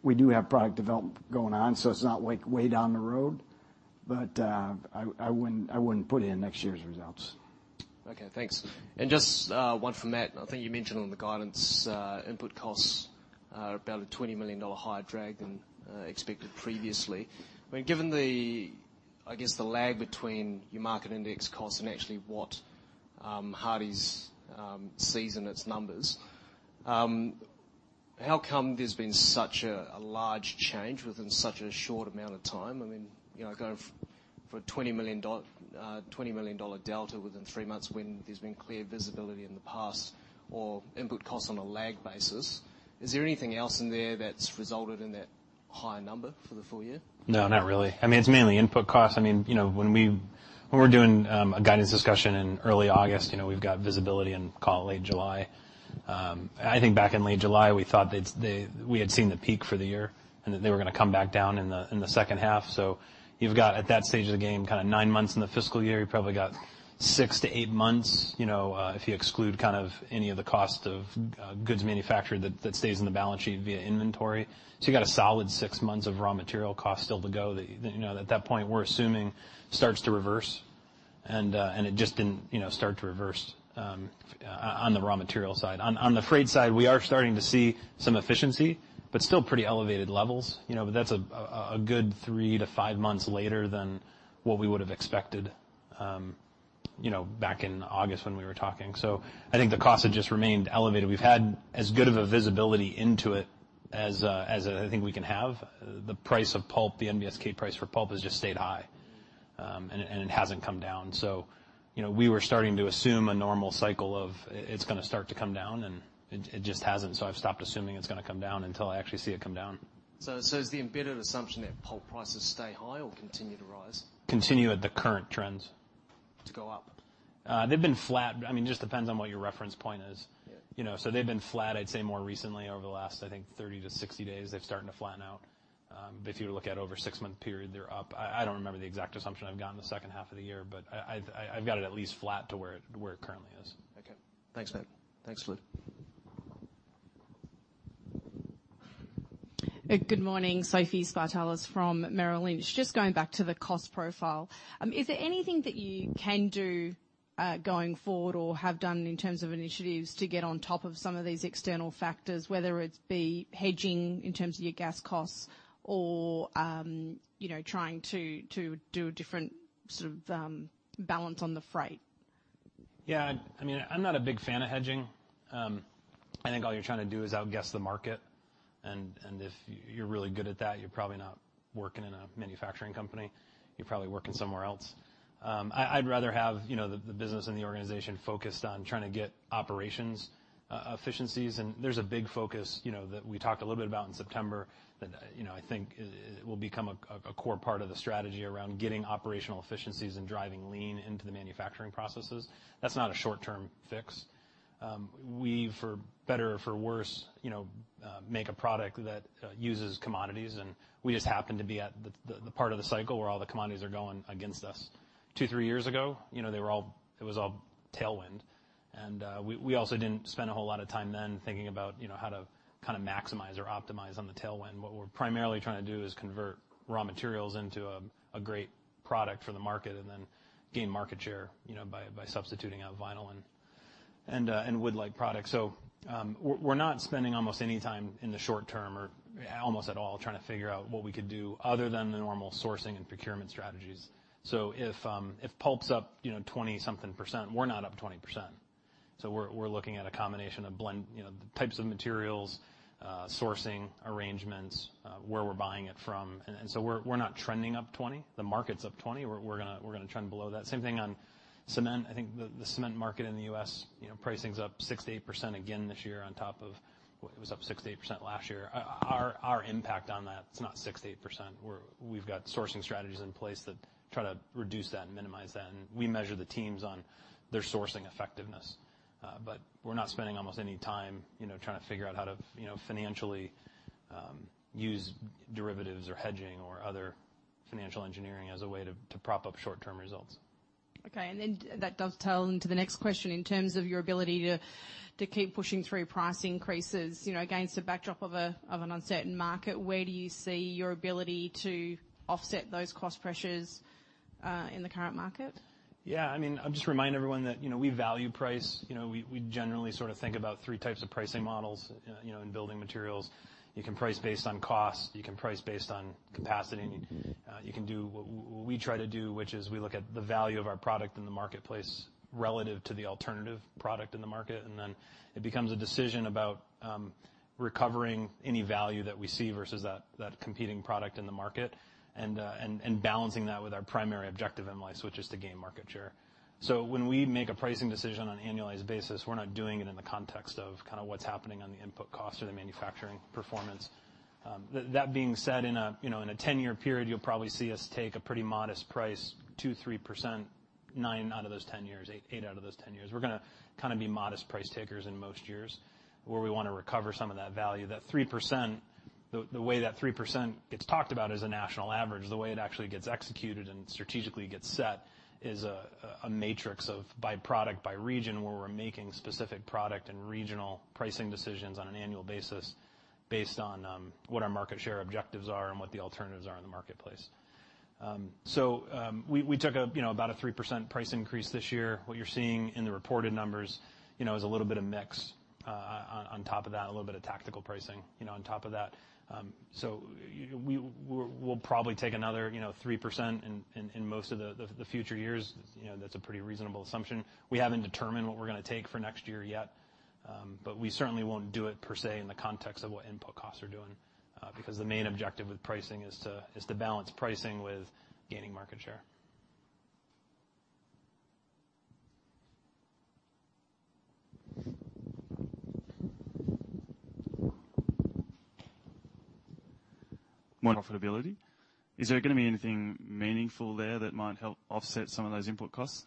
we do have product development going on, so it's not like way down the road. But I wouldn't put it in next year's results. Okay, thanks. And just, one from Matt. I think you mentioned on the guidance, input costs are about a $20 million higher drag than, expected previously. I mean, given the, I guess, the lag between your market index costs and actually what, Hardie's, sees in its numbers, how come there's been such a, a large change within such a short amount of time? I mean, you know, kind of for a $20 million delta within three months, when there's been clear visibility in the past or input costs on a lag basis, is there anything else in there that's resulted in that higher number for the full year? No, not really. I mean, it's mainly input costs. I mean, you know, when we're doing a guidance discussion in early August, you know, we've got visibility in, call it late July. I think back in late July, we thought that they, we had seen the peak for the year, and that they were gonna come back down in the second half. So you've got, at that stage of the game, kind of nine months in the fiscal year, you probably got six to eight months, you know, if you exclude kind of any of the cost of goods manufactured that stays in the balance sheet via inventory. So you got a solid six months of raw material cost still to go that, you know, at that point, we're assuming starts to reverse. It just didn't, you know, start to reverse on the raw material side. On the Freight side, we are starting to see some efficiency, but still pretty elevated levels. You know, but that's a good three to five months later than what we would have expected, you know, back in August when we were talking. So I think the cost had just remained elevated. We've had as good of a visibility into it as as I think we can have. The price of pulp, the NBSK price for pulp has just stayed high, and it hasn't come down. So, you know, we were starting to assume a normal cycle of it's gonna start to come down, and it just hasn't. So I've stopped assuming it's gonna come down until I actually see it come down. So is the embedded assumption that pulp prices stay high or continue to rise? Continue at the current trends. To go up? They've been flat. I mean, just depends on what your reference point is. Yeah. You know, so they've been flat, I'd say, more recently over the last, I think, 30-60 days, they've started to flatten out. But if you were to look at over a six-month period, they're up. I don't remember the exact assumption I've gotten the second half of the year, but I've got it at least flat to where it currently is. Okay. Thanks, Matt. Thanks, Lou. Good morning, Sophie Spartalis from Merrill Lynch. Just going back to the cost profile, is there anything that you can do, going forward or have done in terms of initiatives to get on top of some of these external factors, whether it be hedging in terms of your gas costs or, you know, trying to do a different sort of balance on the Freight? Yeah, I mean, I'm not a big fan of hedging. I think all you're trying to do is outguess the market, and if you're really good at that, you're probably not working in a manufacturing company, you're probably working somewhere else. I'd rather have, you know, the business and the organization focused on trying to get operational efficiencies, and there's a big focus, you know, that we talked a little bit about in September, that, you know, I think it will become a core part of the strategy around getting operational efficiencies and driving lean into the manufacturing processes. That's not a short-term fix. We, for better or for worse, you know, make a product that uses commodities, and we just happen to be at the part of the cycle where all the commodities are going against us. Two, three years ago, you know, they were all-- it was all tailwind, and we also didn't spend a whole lot of time then thinking about, you know, how to kind of maximize or optimize on the tailwind. What we're primarily trying to do is convert raw materials into a great product for the market and then gain market share, you know, by substituting out vinyl and wood-like products. So we're not spending almost any time in the short term or almost at all, trying to figure out what we could do other than the normal sourcing and procurement strategies. So if pulp's up, you know, 20-something percent, we're not up 20%. So we're looking at a combination of blend, you know, the types of materials, sourcing arrangements, where we're buying it from. We're not trending up 20%. The market's up 20%. We're gonna trend below that. Same thing on cement. I think the cement market in the U.S., you know, pricing's up 6%-8% again this year on top of it was up 6%-8% last year. Our impact on that is not 6%-8%. We've got sourcing strategies in place that try to reduce that and minimize that, and we measure the teams on their sourcing effectiveness. But we're not spending almost any time, you know, trying to figure out how to, you know, financially use derivatives or hedging or other financial engineering as a way to prop up short-term results. Okay, and then that does tail into the next question. In terms of your ability to keep pushing through price increases, you know, against a backdrop of an uncertain market, where do you see your ability to offset those cost pressures in the current market? Yeah, I mean, I'll just remind everyone that, you know, we value price. You know, we, we generally sort of think about three types of pricing models, you know, in building materials. You can price based on cost, you can price based on capacity, and you can do what we try to do, which is we look at the value of our product in the marketplace relative to the alternative product in the market, and then it becomes a decision about recovering any value that we see versus that competing product in the market, and balancing that with our primary objective in life, which is to gain market share. So when we make a pricing decision on an annualized basis, we're not doing it in the context of kind of what's happening on the input cost or the manufacturing performance. That being said, in a 10-year period, you'll probably see us take a pretty modest price 2-3% nine out of those 10 years, eight out of those 10 years. We're gonna kind of be modest price takers in most years, where we want to recover some of that value, that 3%, the way that 3% gets talked about as a national average, the way it actually gets executed and strategically gets set, is a matrix of by product, by region, where we're making specific product and regional pricing decisions on an annual basis, based on what our market share objectives are and what the alternatives are in the marketplace. So, we took a, you know, about a 3% price increase this year. What you're seeing in the reported numbers, you know, is a little bit of mix on top of that, a little bit of tactical pricing, you know, on top of that. So we're, we'll probably take another, you know, 3% in most of the future years. You know, that's a pretty reasonable assumption. We haven't determined what we're gonna take for next year yet, but we certainly won't do it per se, in the context of what input costs are doing, because the main objective with pricing is to balance pricing with gaining market share. More profitability? Is there gonna be anything meaningful there that might help offset some of those input costs?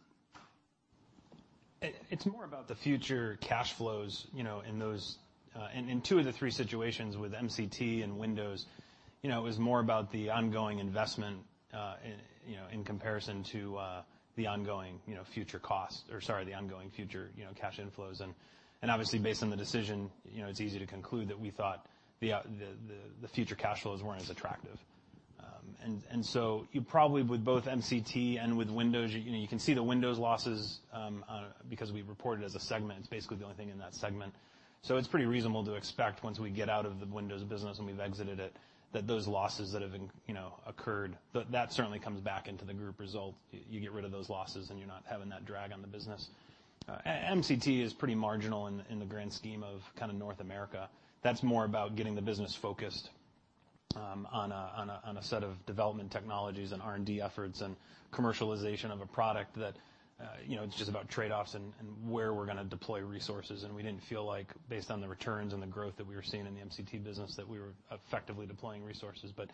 It, it's more about the future cash flows, you know, in those. In two of the three situations with MCT and Windows, you know, it was more about the ongoing investment in, you know, in comparison to the ongoing, you know, future costs or sorry, the ongoing future, you know, cash inflows. And obviously, based on the decision, you know, it's easy to conclude that we thought the future cash flows weren't as attractive. And so you probably, with both MCT and with Windows, you know, you can see the Windows losses because we report it as a segment. It's basically the only thing in that segment, so it's pretty reasonable to expect once we get out of the Windows business, and we've exited it, that those losses that have been, you know, occurred, that certainly comes back into the group result. You get rid of those losses, and you're not having that drag on the business. MCT is pretty marginal in the grand scheme of kind of North America. That's more about getting the business focused on a set of development technologies and R&D efforts and commercialization of a product that, you know, it's just about trade-offs and where we're gonna deploy resources, and we didn't feel like based on the returns and the growth that we were seeing in the MCT business, that we were effectively deploying resources. But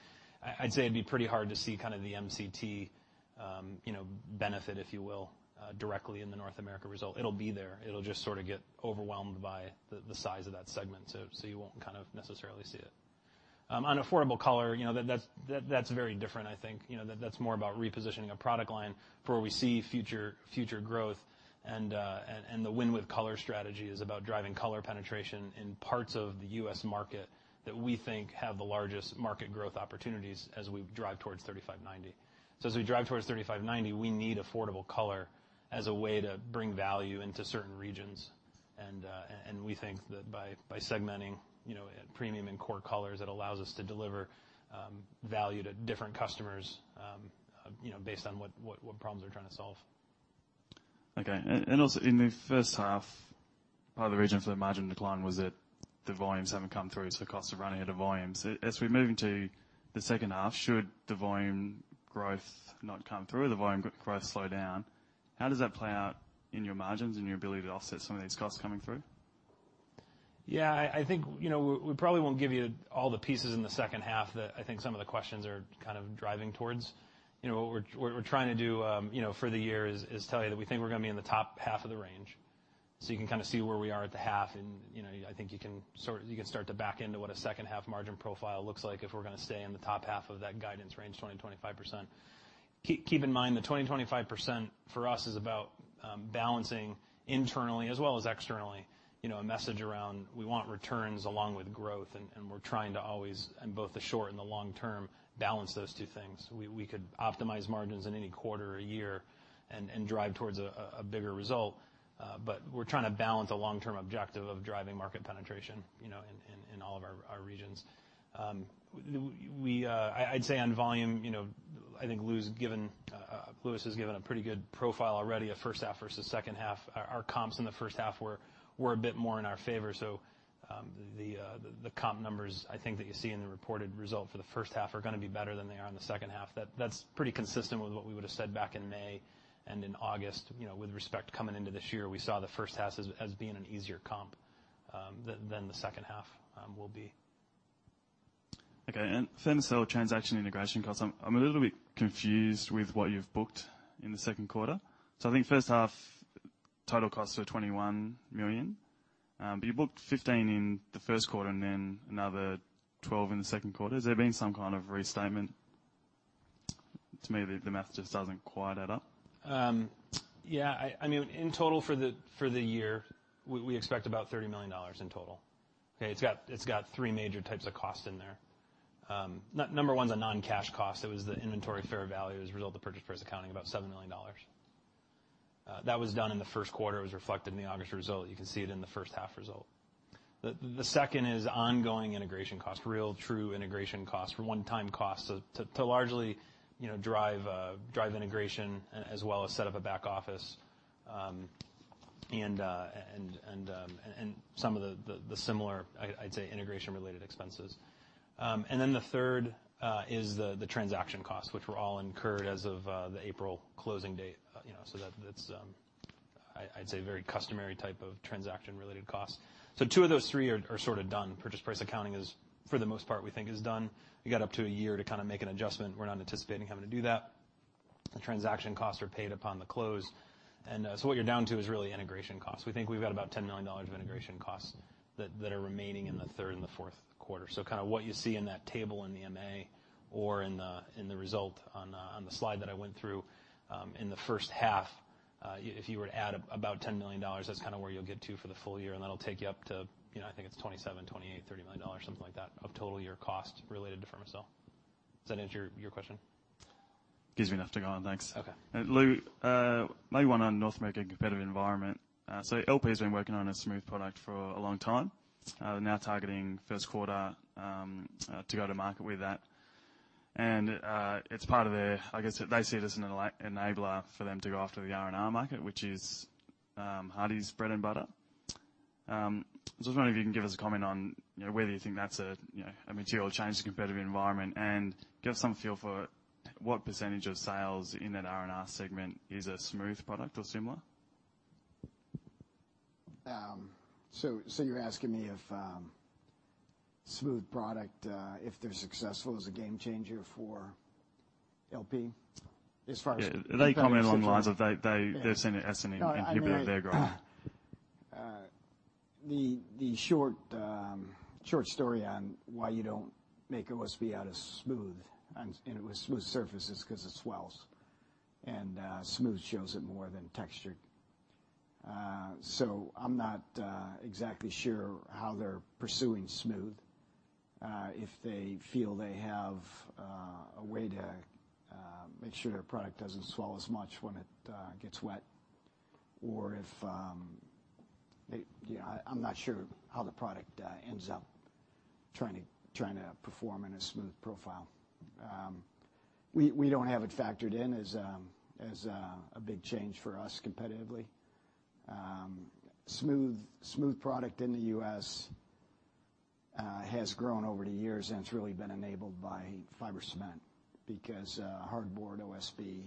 I'd say it'd be pretty hard to see kind of the MCT, you know, benefit, if you will, directly in the North America result. It'll be there. It'll just sort of get overwhelmed by the size of that segment, so you won't kind of necessarily see it. On Affordable Color, you know, that's very different I think. You know, that's more about repositioning a product line for where we see future growth, and the Win with Color strategy is about driving color penetration in parts of the U.S. market that we think have the largest market growth opportunities as we drive towards 35/90. So as we drive towards 35/90, we need Affordable Color as a way to bring value into certain regions, and we think that by segmenting, you know, premium and core colors, it allows us to deliver value to different customers, you know, based on what problems they're trying to solve. Okay. And also in the first half, part of the reason for the margin decline was that the volumes haven't come through, so cost of running at a volume. So as we're moving to the second half, should the volume growth not come through or the volume growth slow down, how does that play out in your margins and your ability to offset some of these costs coming through? Yeah, I think, you know, we probably won't give you all the pieces in the second half, that I think some of the questions are kind of driving towards. You know, what we're trying to do, you know, for the year is tell you that we think we're gonna be in the top half of the range. So you can kind of see where we are at the half, and, you know, I think you can start to back into what a second half margin profile looks like if we're gonna stay in the top half of that guidance range, 20%-25%. Keep in mind, the 20%-25% for us is about balancing internally as well as externally, you know, a message around, we want returns along with growth, and we're trying to always, in both the short and the long term, balance those two things. We could optimize margins in any quarter or year and drive towards a bigger result, but we're trying to balance the long-term objective of driving market penetration, you know, in all of our regions. I, I'd say on volume, you know, I think Lou's given, Louis has given a pretty good profile already, a first half versus second half. Our comps in the first half were a bit more in our favor, so the comp numbers, I think, that you see in the reported result for the first half are gonna be better than they are in the second half. That's pretty consistent with what we would've said back in May and in August. You know, with respect coming into this year, we saw the first half as being an easier comp than the second half will be. Okay, and Fermacell transaction integration costs, I'm a little bit confused with what you've booked in the second quarter. So I think first half, total costs were $21 million. But you booked 15 in the first quarter and then another 12 in the second quarter. Has there been some kind of restatement? To me, the math just doesn't quite add up. Yeah, I mean, in total for the year, we expect about $30 million in total. Okay, it's got three major types of costs in there. Number one's a non-cash cost. It was the inventory fair value as a result of purchase price accounting, about $7 million. That was done in the first quarter. It was reflected in the August result. You can see it in the first half result. The second is ongoing integration costs, real, true integration costs, for one-time costs to largely, you know, drive integration as well as set up a back office, and some of the similar, I'd say, integration-related expenses. And then the third is the transaction costs, which were all incurred as of the April closing date, you know, so that it's. I'd say very customary type of transaction-related costs. So two of those three are sort of done. Purchase price accounting is, for the most part, we think is done. You got up to a year to kind of make an adjustment. We're not anticipating having to do that. The transaction costs are paid upon the close, and so what you're down to is really integration costs. We think we've got about $10 million of integration costs that are remaining in the third and the fourth quarter. So kind of what you see in that table in the M&A or in the results on the slide that I went through, in the first half, if you were to add about $10 million, that's kind of where you'll get to for the full year, and that'll take you up to, you know, I think it's $27 million, $28 million, $30 million, something like that, of total year cost related to Fermacell. Does that answer your question? Gives me enough to go on. Thanks. Okay. Lou, maybe one on North American competitive environment. So LP has been working on a smooth product for a long time, now targeting first quarter to go to market with that. And it's part of their. I guess they see it as an enabler for them to go after the R&R market, which is Hardie's bread and butter. So I was wondering if you can give us a comment on, you know, whether you think that's a, you know, a material change to the competitive environment, and give us some feel for what percentage of sales in that R&R segment is a smooth product or similar? So, you're asking me if smooth product, if they're successful, is a game changer for LP as far as- Yeah. They comment along the lines of they, they're seeing it as an inhibitor of their growth. No, I... The short story on why you don't make OSB out of smooth and with smooth surfaces, 'cause it swells, and smooth shows it more than textured. So I'm not exactly sure how they're pursuing smooth. If they feel they have a way to make sure their product doesn't swell as much when it gets wet or if they... You know, I'm not sure how the product ends up trying to perform in a smooth profile. We don't have it factored in as a big change for us competitively. Smooth product in the U.S. has grown over the years, and it's really been enabled by fiber cement because hardboard OSB,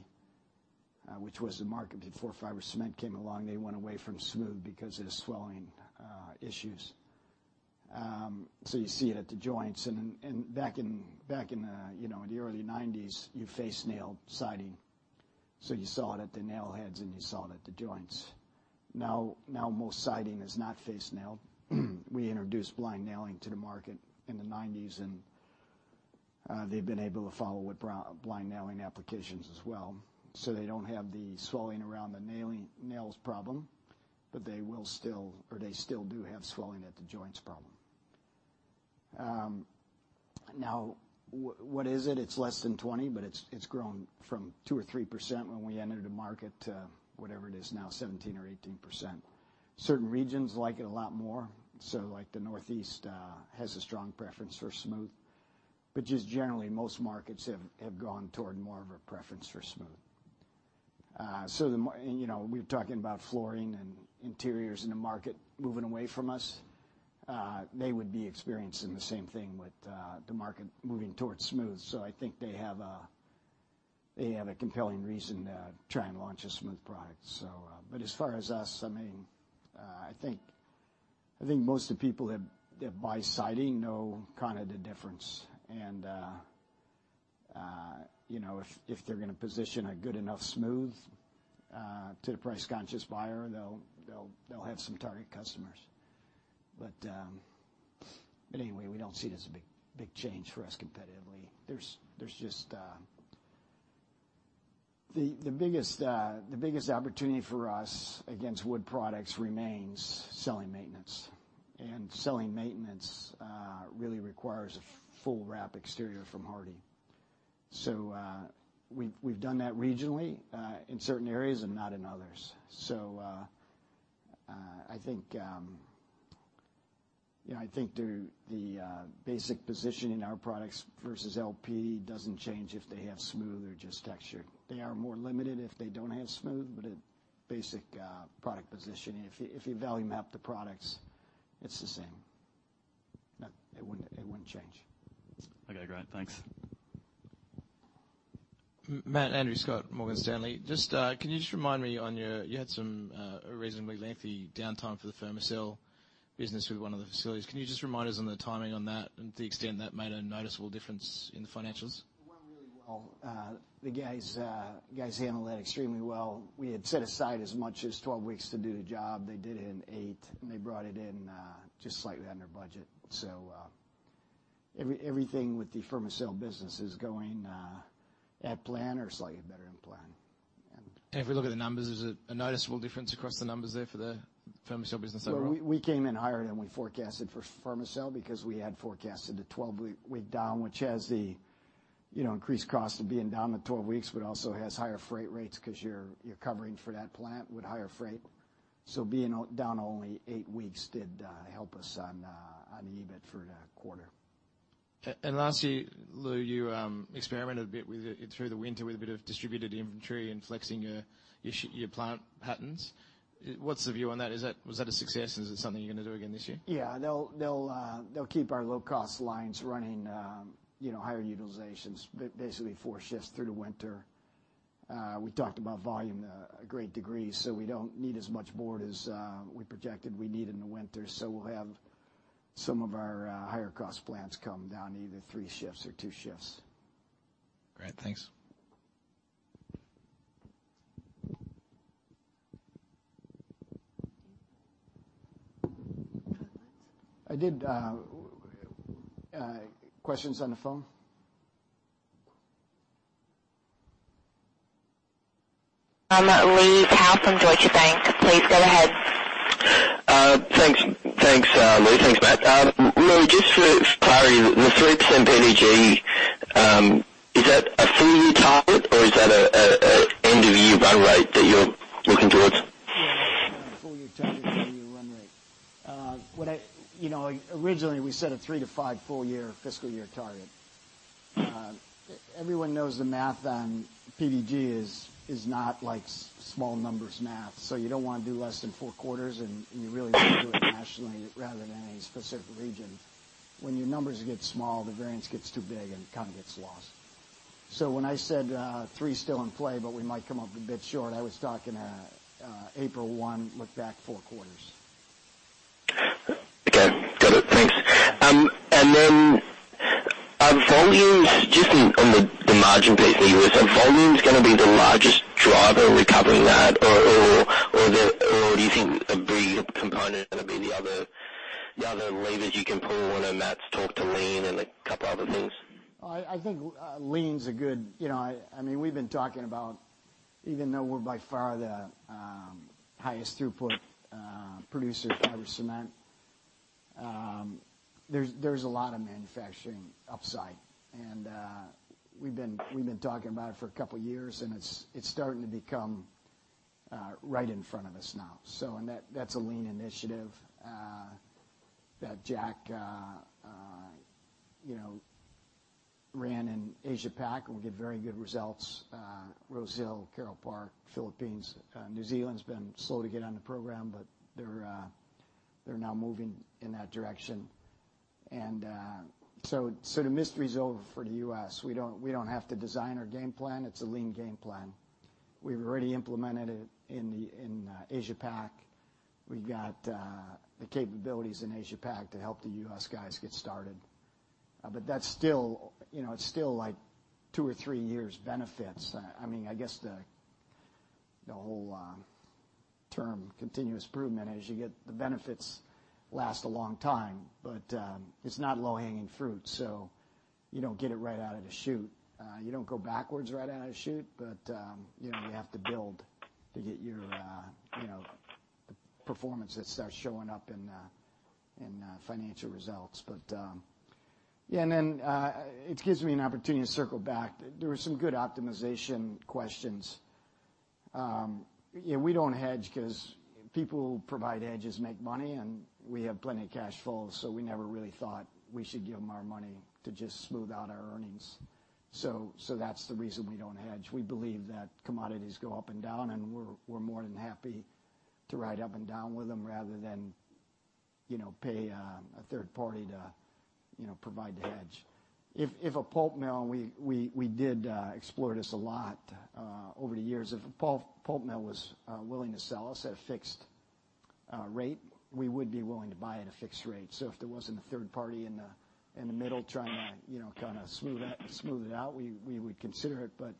which was the market before fiber cement came along, they went away from smooth because of the swelling issues. So you see it at the joints, and back in, you know, the early nineties, you face-nailed siding, so you saw it at the nail heads, and you saw it at the joints. Now most siding is not face nailed. We introduced blind nailing to the market in the 90s, and they've been able to follow with blind nailing applications as well. So they don't have the swelling around the nailing, nails problem, but they still do have swelling at the joints problem. Now, what is it? It's less than 20, but it's grown from 2% or 3% when we entered the market to whatever it is now, 17% or 18%. Certain regions like it a lot more, so like the Northeast has a strong preference for smooth, but just generally, most markets have gone toward more of a preference for smooth. And, you know, we're talking about flooring and interiors in the market moving away from us. They would be experiencing the same thing with the market moving towards smooth, so I think they have a compelling reason to try and launch a smooth product. But as far as us, I mean, I think most of the people that buy siding know kind of the difference. You know, if they're gonna position a good enough smooth to the price-conscious buyer, they'll have some target customers. But anyway, we don't see it as a big change for us competitively. There's just the biggest opportunity for us against wood products remains selling maintenance, and selling maintenance really requires a full wrap exterior from Hardie. So, we've done that regionally in certain areas and not in others. So, I think you know, the basic position in our products versus LP doesn't change if they have smooth or just textured. They are more limited if they don't have smooth, but at basic product positioning, if you value map the products, it's the same. No, it wouldn't change. Okay, great. Thanks. Matt, Andrew Scott, Morgan Stanley. Just, can you just remind me on your... You had a reasonably lengthy downtime for the Fermacell business with one of the facilities. Can you just remind us on the timing on that and the extent that made a noticeable difference in the financials? It went really well. The guys, guys handled that extremely well. We had set aside as much as 12 weeks to do the job. They did it in 8, and they brought it in, just slightly under budget. So, everything with the Fermacell business is going, at plan or slightly better than plan. And- If we look at the numbers, is it a noticeable difference across the numbers there for the Fermacell business overall? We came in higher than we forecasted for Fermacell because we had forecasted a 12-week down, which has, you know, increased cost of being down for twelve weeks, but also has higher freight rates because you're covering for that plant with higher freight. So being down only eight weeks did help us on EBIT for the quarter. Lastly, Lou, you experimented a bit with it through the winter with a bit of distributed inventory and flexing your plant patterns. What's the view on that? Is that, was that a success, and is it something you're gonna do again this year? Yeah. They'll keep our low-cost lines running, you know, higher utilizations, basically four shifts through the winter. We talked about volume to a great degree, so we don't need as much board as we projected we need in the winter. So we'll have some of our higher cost plants come down to either three shifts or two shifts. Great, thanks. I did, questions on the phone? Lee Power from Deutsche Bank. Please go ahead. Thanks. Thanks, Lee. Thanks, Matt. Just for clarity, the 3% PDG, is that a full-year target, or is that a end-of-year run rate that you're looking toward? Yeah, full year target, run rate. You know, originally, we set a three to five full year, fiscal year target. Everyone knows the math on PDG is not like small numbers math, so you don't wanna do less than four quarters, and you really wanna do it nationally rather than any specific region. When your numbers get small, the variance gets too big, and it kind of gets lost. So when I said, three still in play, but we might come up a bit short, I was talking, April 1, look back four quarters. Okay, got it. Thanks. And then, volumes, just on the margin piece, volumes gonna be the largest driver recovering that, or do you think a big component is gonna be the other levers you can pull when Matt's talked to Lean and a couple other things? I think Lean's a good, you know. I mean, we've been talking about even though we're by far the highest throughput producer of cement, there's a lot of manufacturing upside, and we've been talking about it for a couple of years, and it's starting to become right in front of us now. And that's a Lean initiative that Jack, you know, ran in Asia Pac, and we get very good results, Rosehill, Carole Park, Philippines. New Zealand's been slow to get on the program, but they're now moving in that direction. And so the mystery's over for the U.S. We don't have to design our game plan. It's a Lean game plan. We've already implemented it in the Asia Pac. We've got the capabilities in Asia Pac to help the U.S. guys get started. But that's still, you know, it's still like two or three years benefits. I mean, I guess the whole term continuous improvement, as you get the benefits, last a long time, but it's not low-hanging fruit, so you don't get it right out of the chute. You don't go backwards right out of the chute, but you know, you have to build to get your, you know, performance that starts showing up in, in financial results. But yeah, and then it gives me an opportunity to circle back. There were some good optimization questions. Yeah, we don't hedge 'cause people who provide hedges make money, and we have plenty of cash flow, so we never really thought we should give them our money to just smooth out our earnings. So that's the reason we don't hedge. We believe that commodities go up and down, and we're more than happy to ride up and down with them rather than, you know, pay a third party to, you know, provide the hedge. If a pulp mill, we did explore this a lot over the years. If a pulp mill was willing to sell us at a fixed rate, we would be willing to buy at a fixed rate. So if there wasn't a third party in the middle trying to, you know, kind of smooth out, smooth it out, we would consider it. But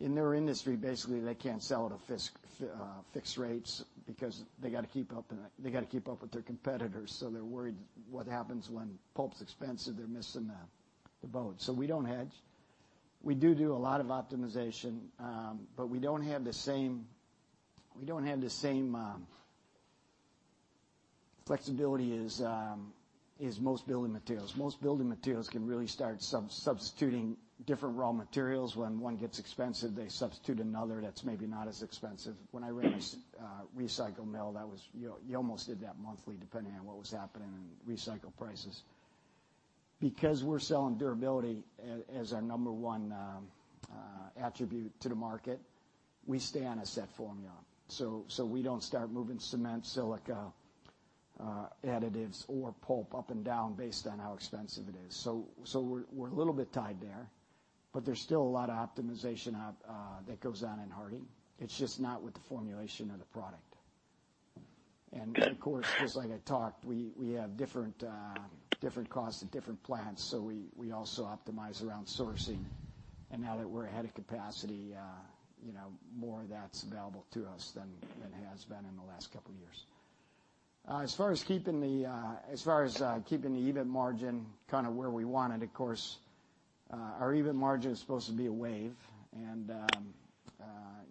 in their industry, basically, they can't sell at a fixed rates because they gotta keep up, they gotta keep up with their competitors, so they're worried what happens when pulp's expensive, they're missing the boat. So we don't hedge. We do do a lot of optimization, but we don't have the same, we don't have the same flexibility as, as most building materials. Most building materials can really start substituting different raw materials. When one gets expensive, they substitute another that's maybe not as expensive. When I ran this recycling mill, that was, you almost did that monthly, depending on what was happening in recycled prices. Because we're selling durability as our number one attribute to the market, we stay on a set formula. We don't start moving cement, silica, additives, or pulp up and down based on how expensive it is. We're a little bit tied there, but there's still a lot of optimization out there that goes on in Hardie. It's just not with the formulation of the product. Of course, just like I talked, we have different costs at different plants, so we also optimize around sourcing. Now that we're ahead of capacity, you know, more of that's available to us than it has been in the last couple of years. As far as keeping the EBIT margin kind of where we want it, of course, our EBIT margin is supposed to be a wave, and,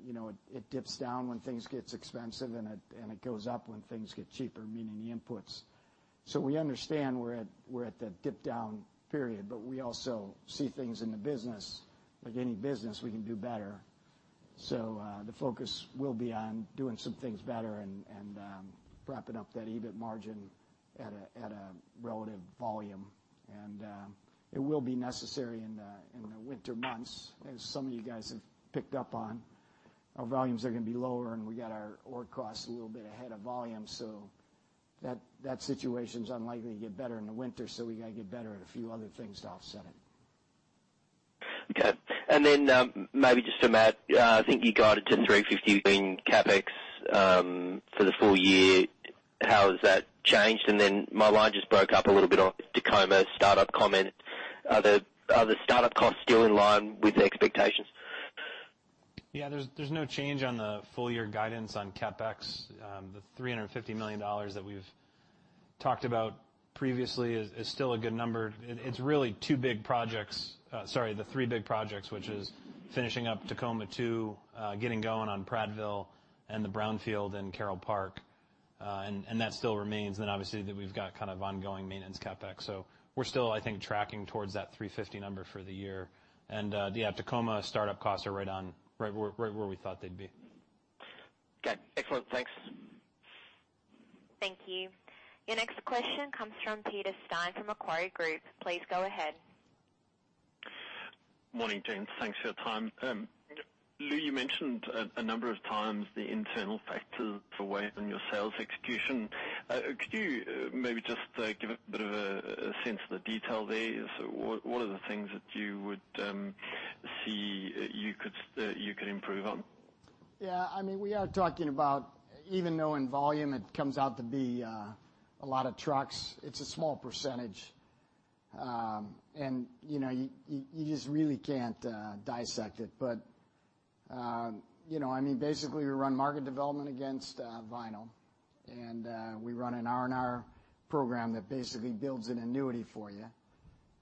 you know, it dips down when things get expensive, and it goes up when things get cheaper, meaning the inputs. So we understand we're at the dip-down period, but we also see things in the business, like any business, we can do better. So, the focus will be on doing some things better and propping up that EBIT margin at a relative volume. And, it will be necessary in the winter months, as some of you guys have picked up on.... Our volumes are going to be lower, and we got our ore costs a little bit ahead of volume, so that situation is unlikely to get better in the winter, so we got to get better at a few other things to offset it. Okay. And then, maybe just to Matt, I think you guided to $350 million in CapEx for the full year. How has that changed? And then my line just broke up a little bit on Tacoma startup comment. Are the startup costs still in line with the expectations? Yeah, there's no change on the full year guidance on CapEx. The $350 million that we've talked about previously is still a good number. It's really two big projects, sorry, the three big projects, which is finishing up Tacoma 2, getting going on Prattville and the Brownfield and Carole Park, and that still remains. Then obviously, that we've got kind of ongoing maintenance CapEx. So we're still, I think, tracking towards that $350 million number for the year. Yeah, Tacoma startup costs are right on, right where we thought they'd be. Okay. Excellent. Thanks. Thank you. Your next question comes from Peter Steyn from Macquarie Group. Please go ahead. Morning, James. Thanks for your time. Lou, you mentioned a number of times the internal factors for weighing on your sales execution. Could you maybe just give a bit of a sense of the detail there? So what are the things that you would see you could improve on? Yeah, I mean, we are talking about even though in volume it comes out to be a lot of trucks, it's a small percentage. And, you know, you just really can't dissect it. But, you know, I mean, basically, we run market development against vinyl, and we run an R&R program that basically builds an annuity for you,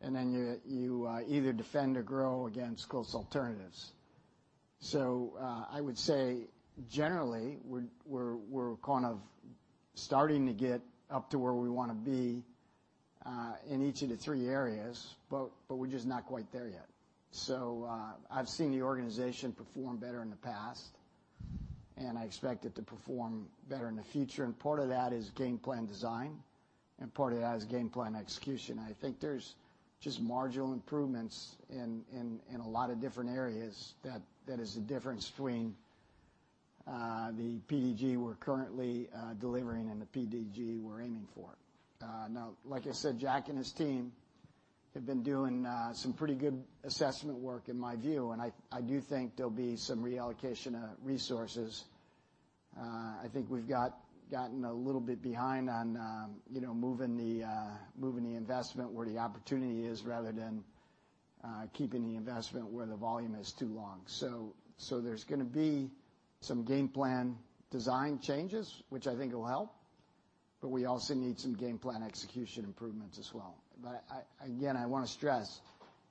and then you either defend or grow against close alternatives. So, I would say generally, we're kind of starting to get up to where we want to be in each of the three areas, but we're just not quite there yet. So, I've seen the organization perform better in the past, and I expect it to perform better in the future, and part of that is game plan design, and part of that is game plan execution. I think there's just marginal improvements in a lot of different areas that is the difference between the PDG we're currently delivering and the PDG we're aiming for. Now, like I said, Jack and his team have been doing some pretty good assessment work, in my view, and I do think there'll be some reallocation of resources. I think we've gotten a little bit behind on, you know, moving the investment where the opportunity is, rather than keeping the investment where the volume is too long. So there's gonna be some game plan design changes, which I think will help, but we also need some game plan execution improvements as well. But I, again, I want to stress,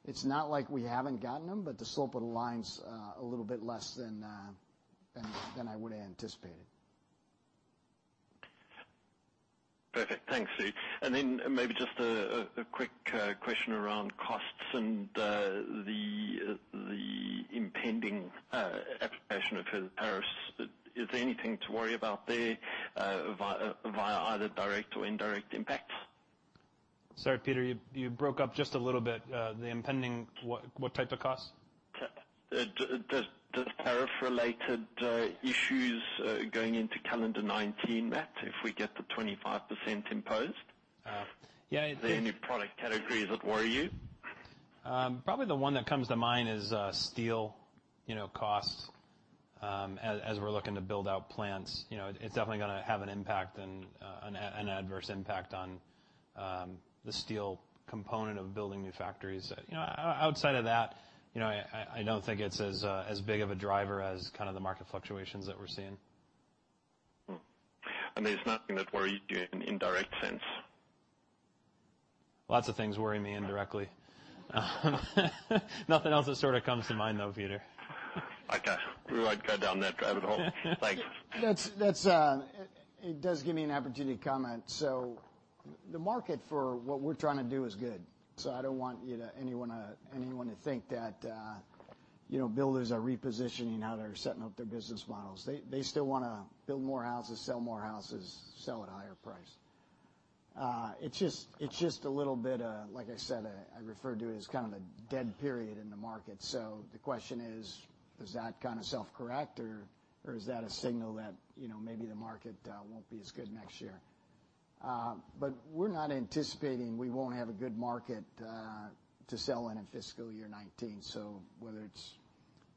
it's not like we haven't gotten them, but the slope of the line's a little bit less than I would have anticipated. Perfect. Thanks, Lou. And then maybe just a quick question around costs and the impending application of tariffs. Is there anything to worry about there via either direct or indirect impacts? Sorry, Peter, you, you broke up just a little bit. The impending what, what type of costs? The tariff-related issues going into calendar 2019, Matt, if we get the 25% imposed? Uh, yeah- Are there any product categories that worry you? Probably the one that comes to mind is steel, you know, costs. As we're looking to build out plants, you know, it's definitely gonna have an impact and an adverse impact on the steel component of building new factories. You know, outside of that, you know, I don't think it's as big of a driver as kind of the market fluctuations that we're seeing. Hmm. And there's nothing that worries you in an indirect sense? Lots of things worry me indirectly. Nothing else that sort of comes to mind, though, Peter. Okay. We might cut down that rabbit hole. Thanks. It does give me an opportunity to comment. So the market for what we're trying to do is good. So I don't want anyone to think that, you know, builders are repositioning how they're setting up their business models. They still wanna build more houses, sell more houses, sell at a higher price. It's just a little bit, like I said, I refer to it as kind of a dead period in the market. So the question is, does that kind of self-correct, or is that a signal that, you know, maybe the market won't be as good next year? But we're not anticipating we won't have a good market to sell in fiscal year 2019. So whether it's,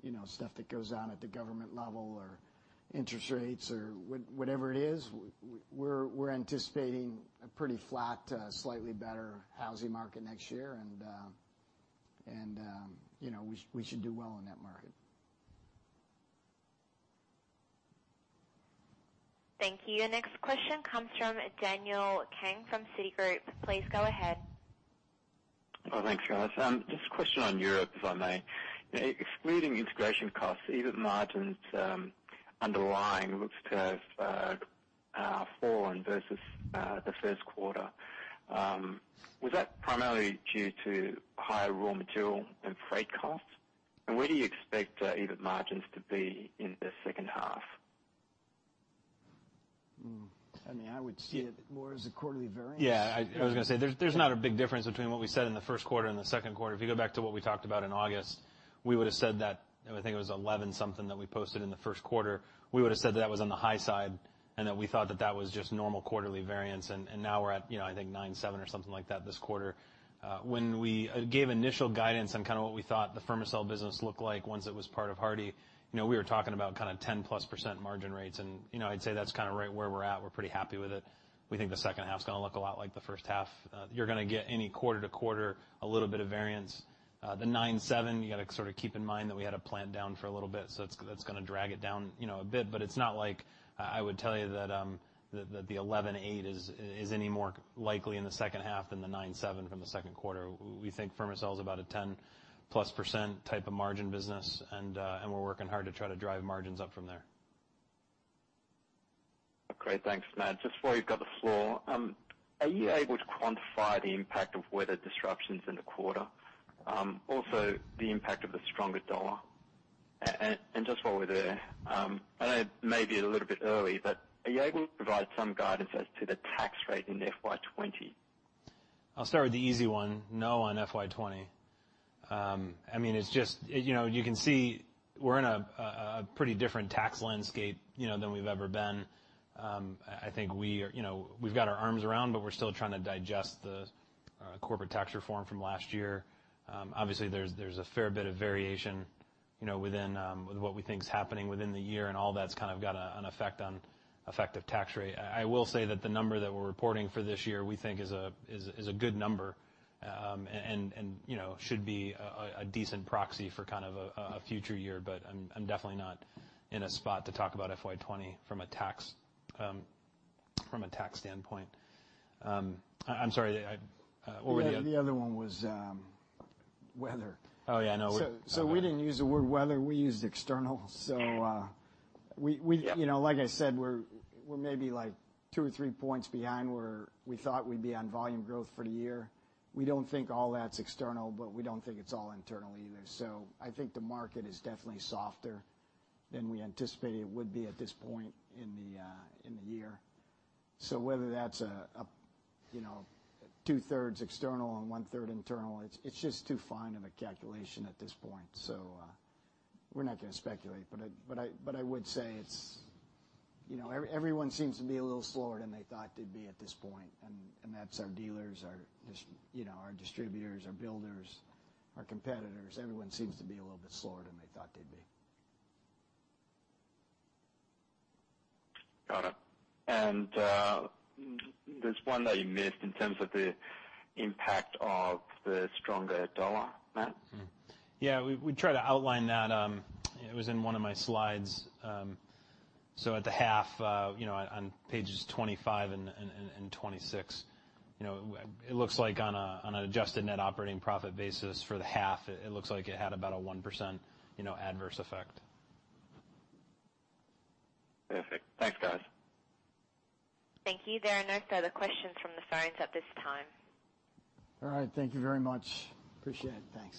you know, stuff that goes on at the government level or interest rates or whatever it is, we're anticipating a pretty flat, slightly better housing market next year, and, you know, we should do well in that market. Thank you. Your next question comes from Daniel Kang from Citigroup. Please go ahead. Oh, thanks, guys. Just a question on Europe, if I may. Excluding integration costs, EBIT margins, underlying, looks to have fallen versus the first quarter. Was that primarily due to higher raw material and freight costs? And where do you expect EBIT margins to be in the second half? ... I mean, I would see it more as a quarterly variance. Yeah, I was gonna say, there's not a big difference between what we said in the first quarter and the second quarter. If you go back to what we talked about in August, we would've said that, I think it was 11% something that we posted in the first quarter. We would've said that that was on the high side, and that we thought that that was just normal quarterly variance. And now we're at, you know, I think 9%, 7% or something like that this quarter. When we gave initial guidance on kind of what we thought the Fermacell business looked like once it was part of Hardie, you know, we were talking about kind of 10-plus% margin rates. And, you know, I'd say that's kind of right where we're at. We're pretty happy with it. We think the second half's gonna look a lot like the first half. You're gonna get any quarter to quarter a little bit of variance. The 9%, 7%, you gotta sort of keep in mind that we had a plant down for a little bit, so that's gonna drag it down, you know, a bit. It's not like I would tell you that the 11%, 8% is any more likely in the second half than the 9%, 7% from the second quarter. We think Fermacell is about a 10-plus% type of margin business, and we're working hard to try to drive margins up from there. Great. Thanks, Matt. Just while you've got the floor, are you able to quantify the impact of weather disruptions in the quarter? Also, the impact of the stronger dollar. And just while we're there, I know it may be a little bit early, but are you able to provide some guidance as to the tax rate in FY 2020? I'll start with the easy one. No, on FY 2020. I mean, it's just. You know, you can see we're in a pretty different tax landscape, you know, than we've ever been. I think we are, you know, we've got our arms around, but we're still trying to digest the corporate tax reform from last year. Obviously, there's a fair bit of variation, you know, within with what we think is happening within the year, and all that's kind of got an effect on effective tax rate. I will say that the number that we're reporting for this year, we think is a good number, and, you know, should be a decent proxy for kind of a future year. But I'm definitely not in a spot to talk about FY 2020 from a tax standpoint. I'm sorry, what were the other- The other one was weather. Oh, yeah, I know. So, we didn't use the word weather, we used external. So, we... Yep. You know, like I said, we're, we're maybe, like, two or three points behind where we thought we'd be on volume growth for the year. We don't think all that's external, but we don't think it's all internal either. So I think the market is definitely softer than we anticipated it would be at this point in the year. So whether that's you know, 2/3 external and 1/3 internal, it's just too fine of a calculation at this point, so we're not gonna speculate. But I would say it's... You know, everyone seems to be a little slower than they thought they'd be at this point, and that's our dealers, you know, our distributors, our builders, our competitors. Everyone seems to be a little bit slower than they thought they'd be. Got it. And, there's one that you missed in terms of the impact of the stronger dollar, Matt? Yeah, we tried to outline that, it was in one of my slides. So at the half, you know, on pages 25 and 26, you know, it looks like on an adjusted net operating profit basis for the half, it looks like it had about a 1% adverse effect. Perfect. Thanks, guys. Thank you. There are no further questions from the sides at this time. All right. Thank you very much. Appreciate it. Thanks.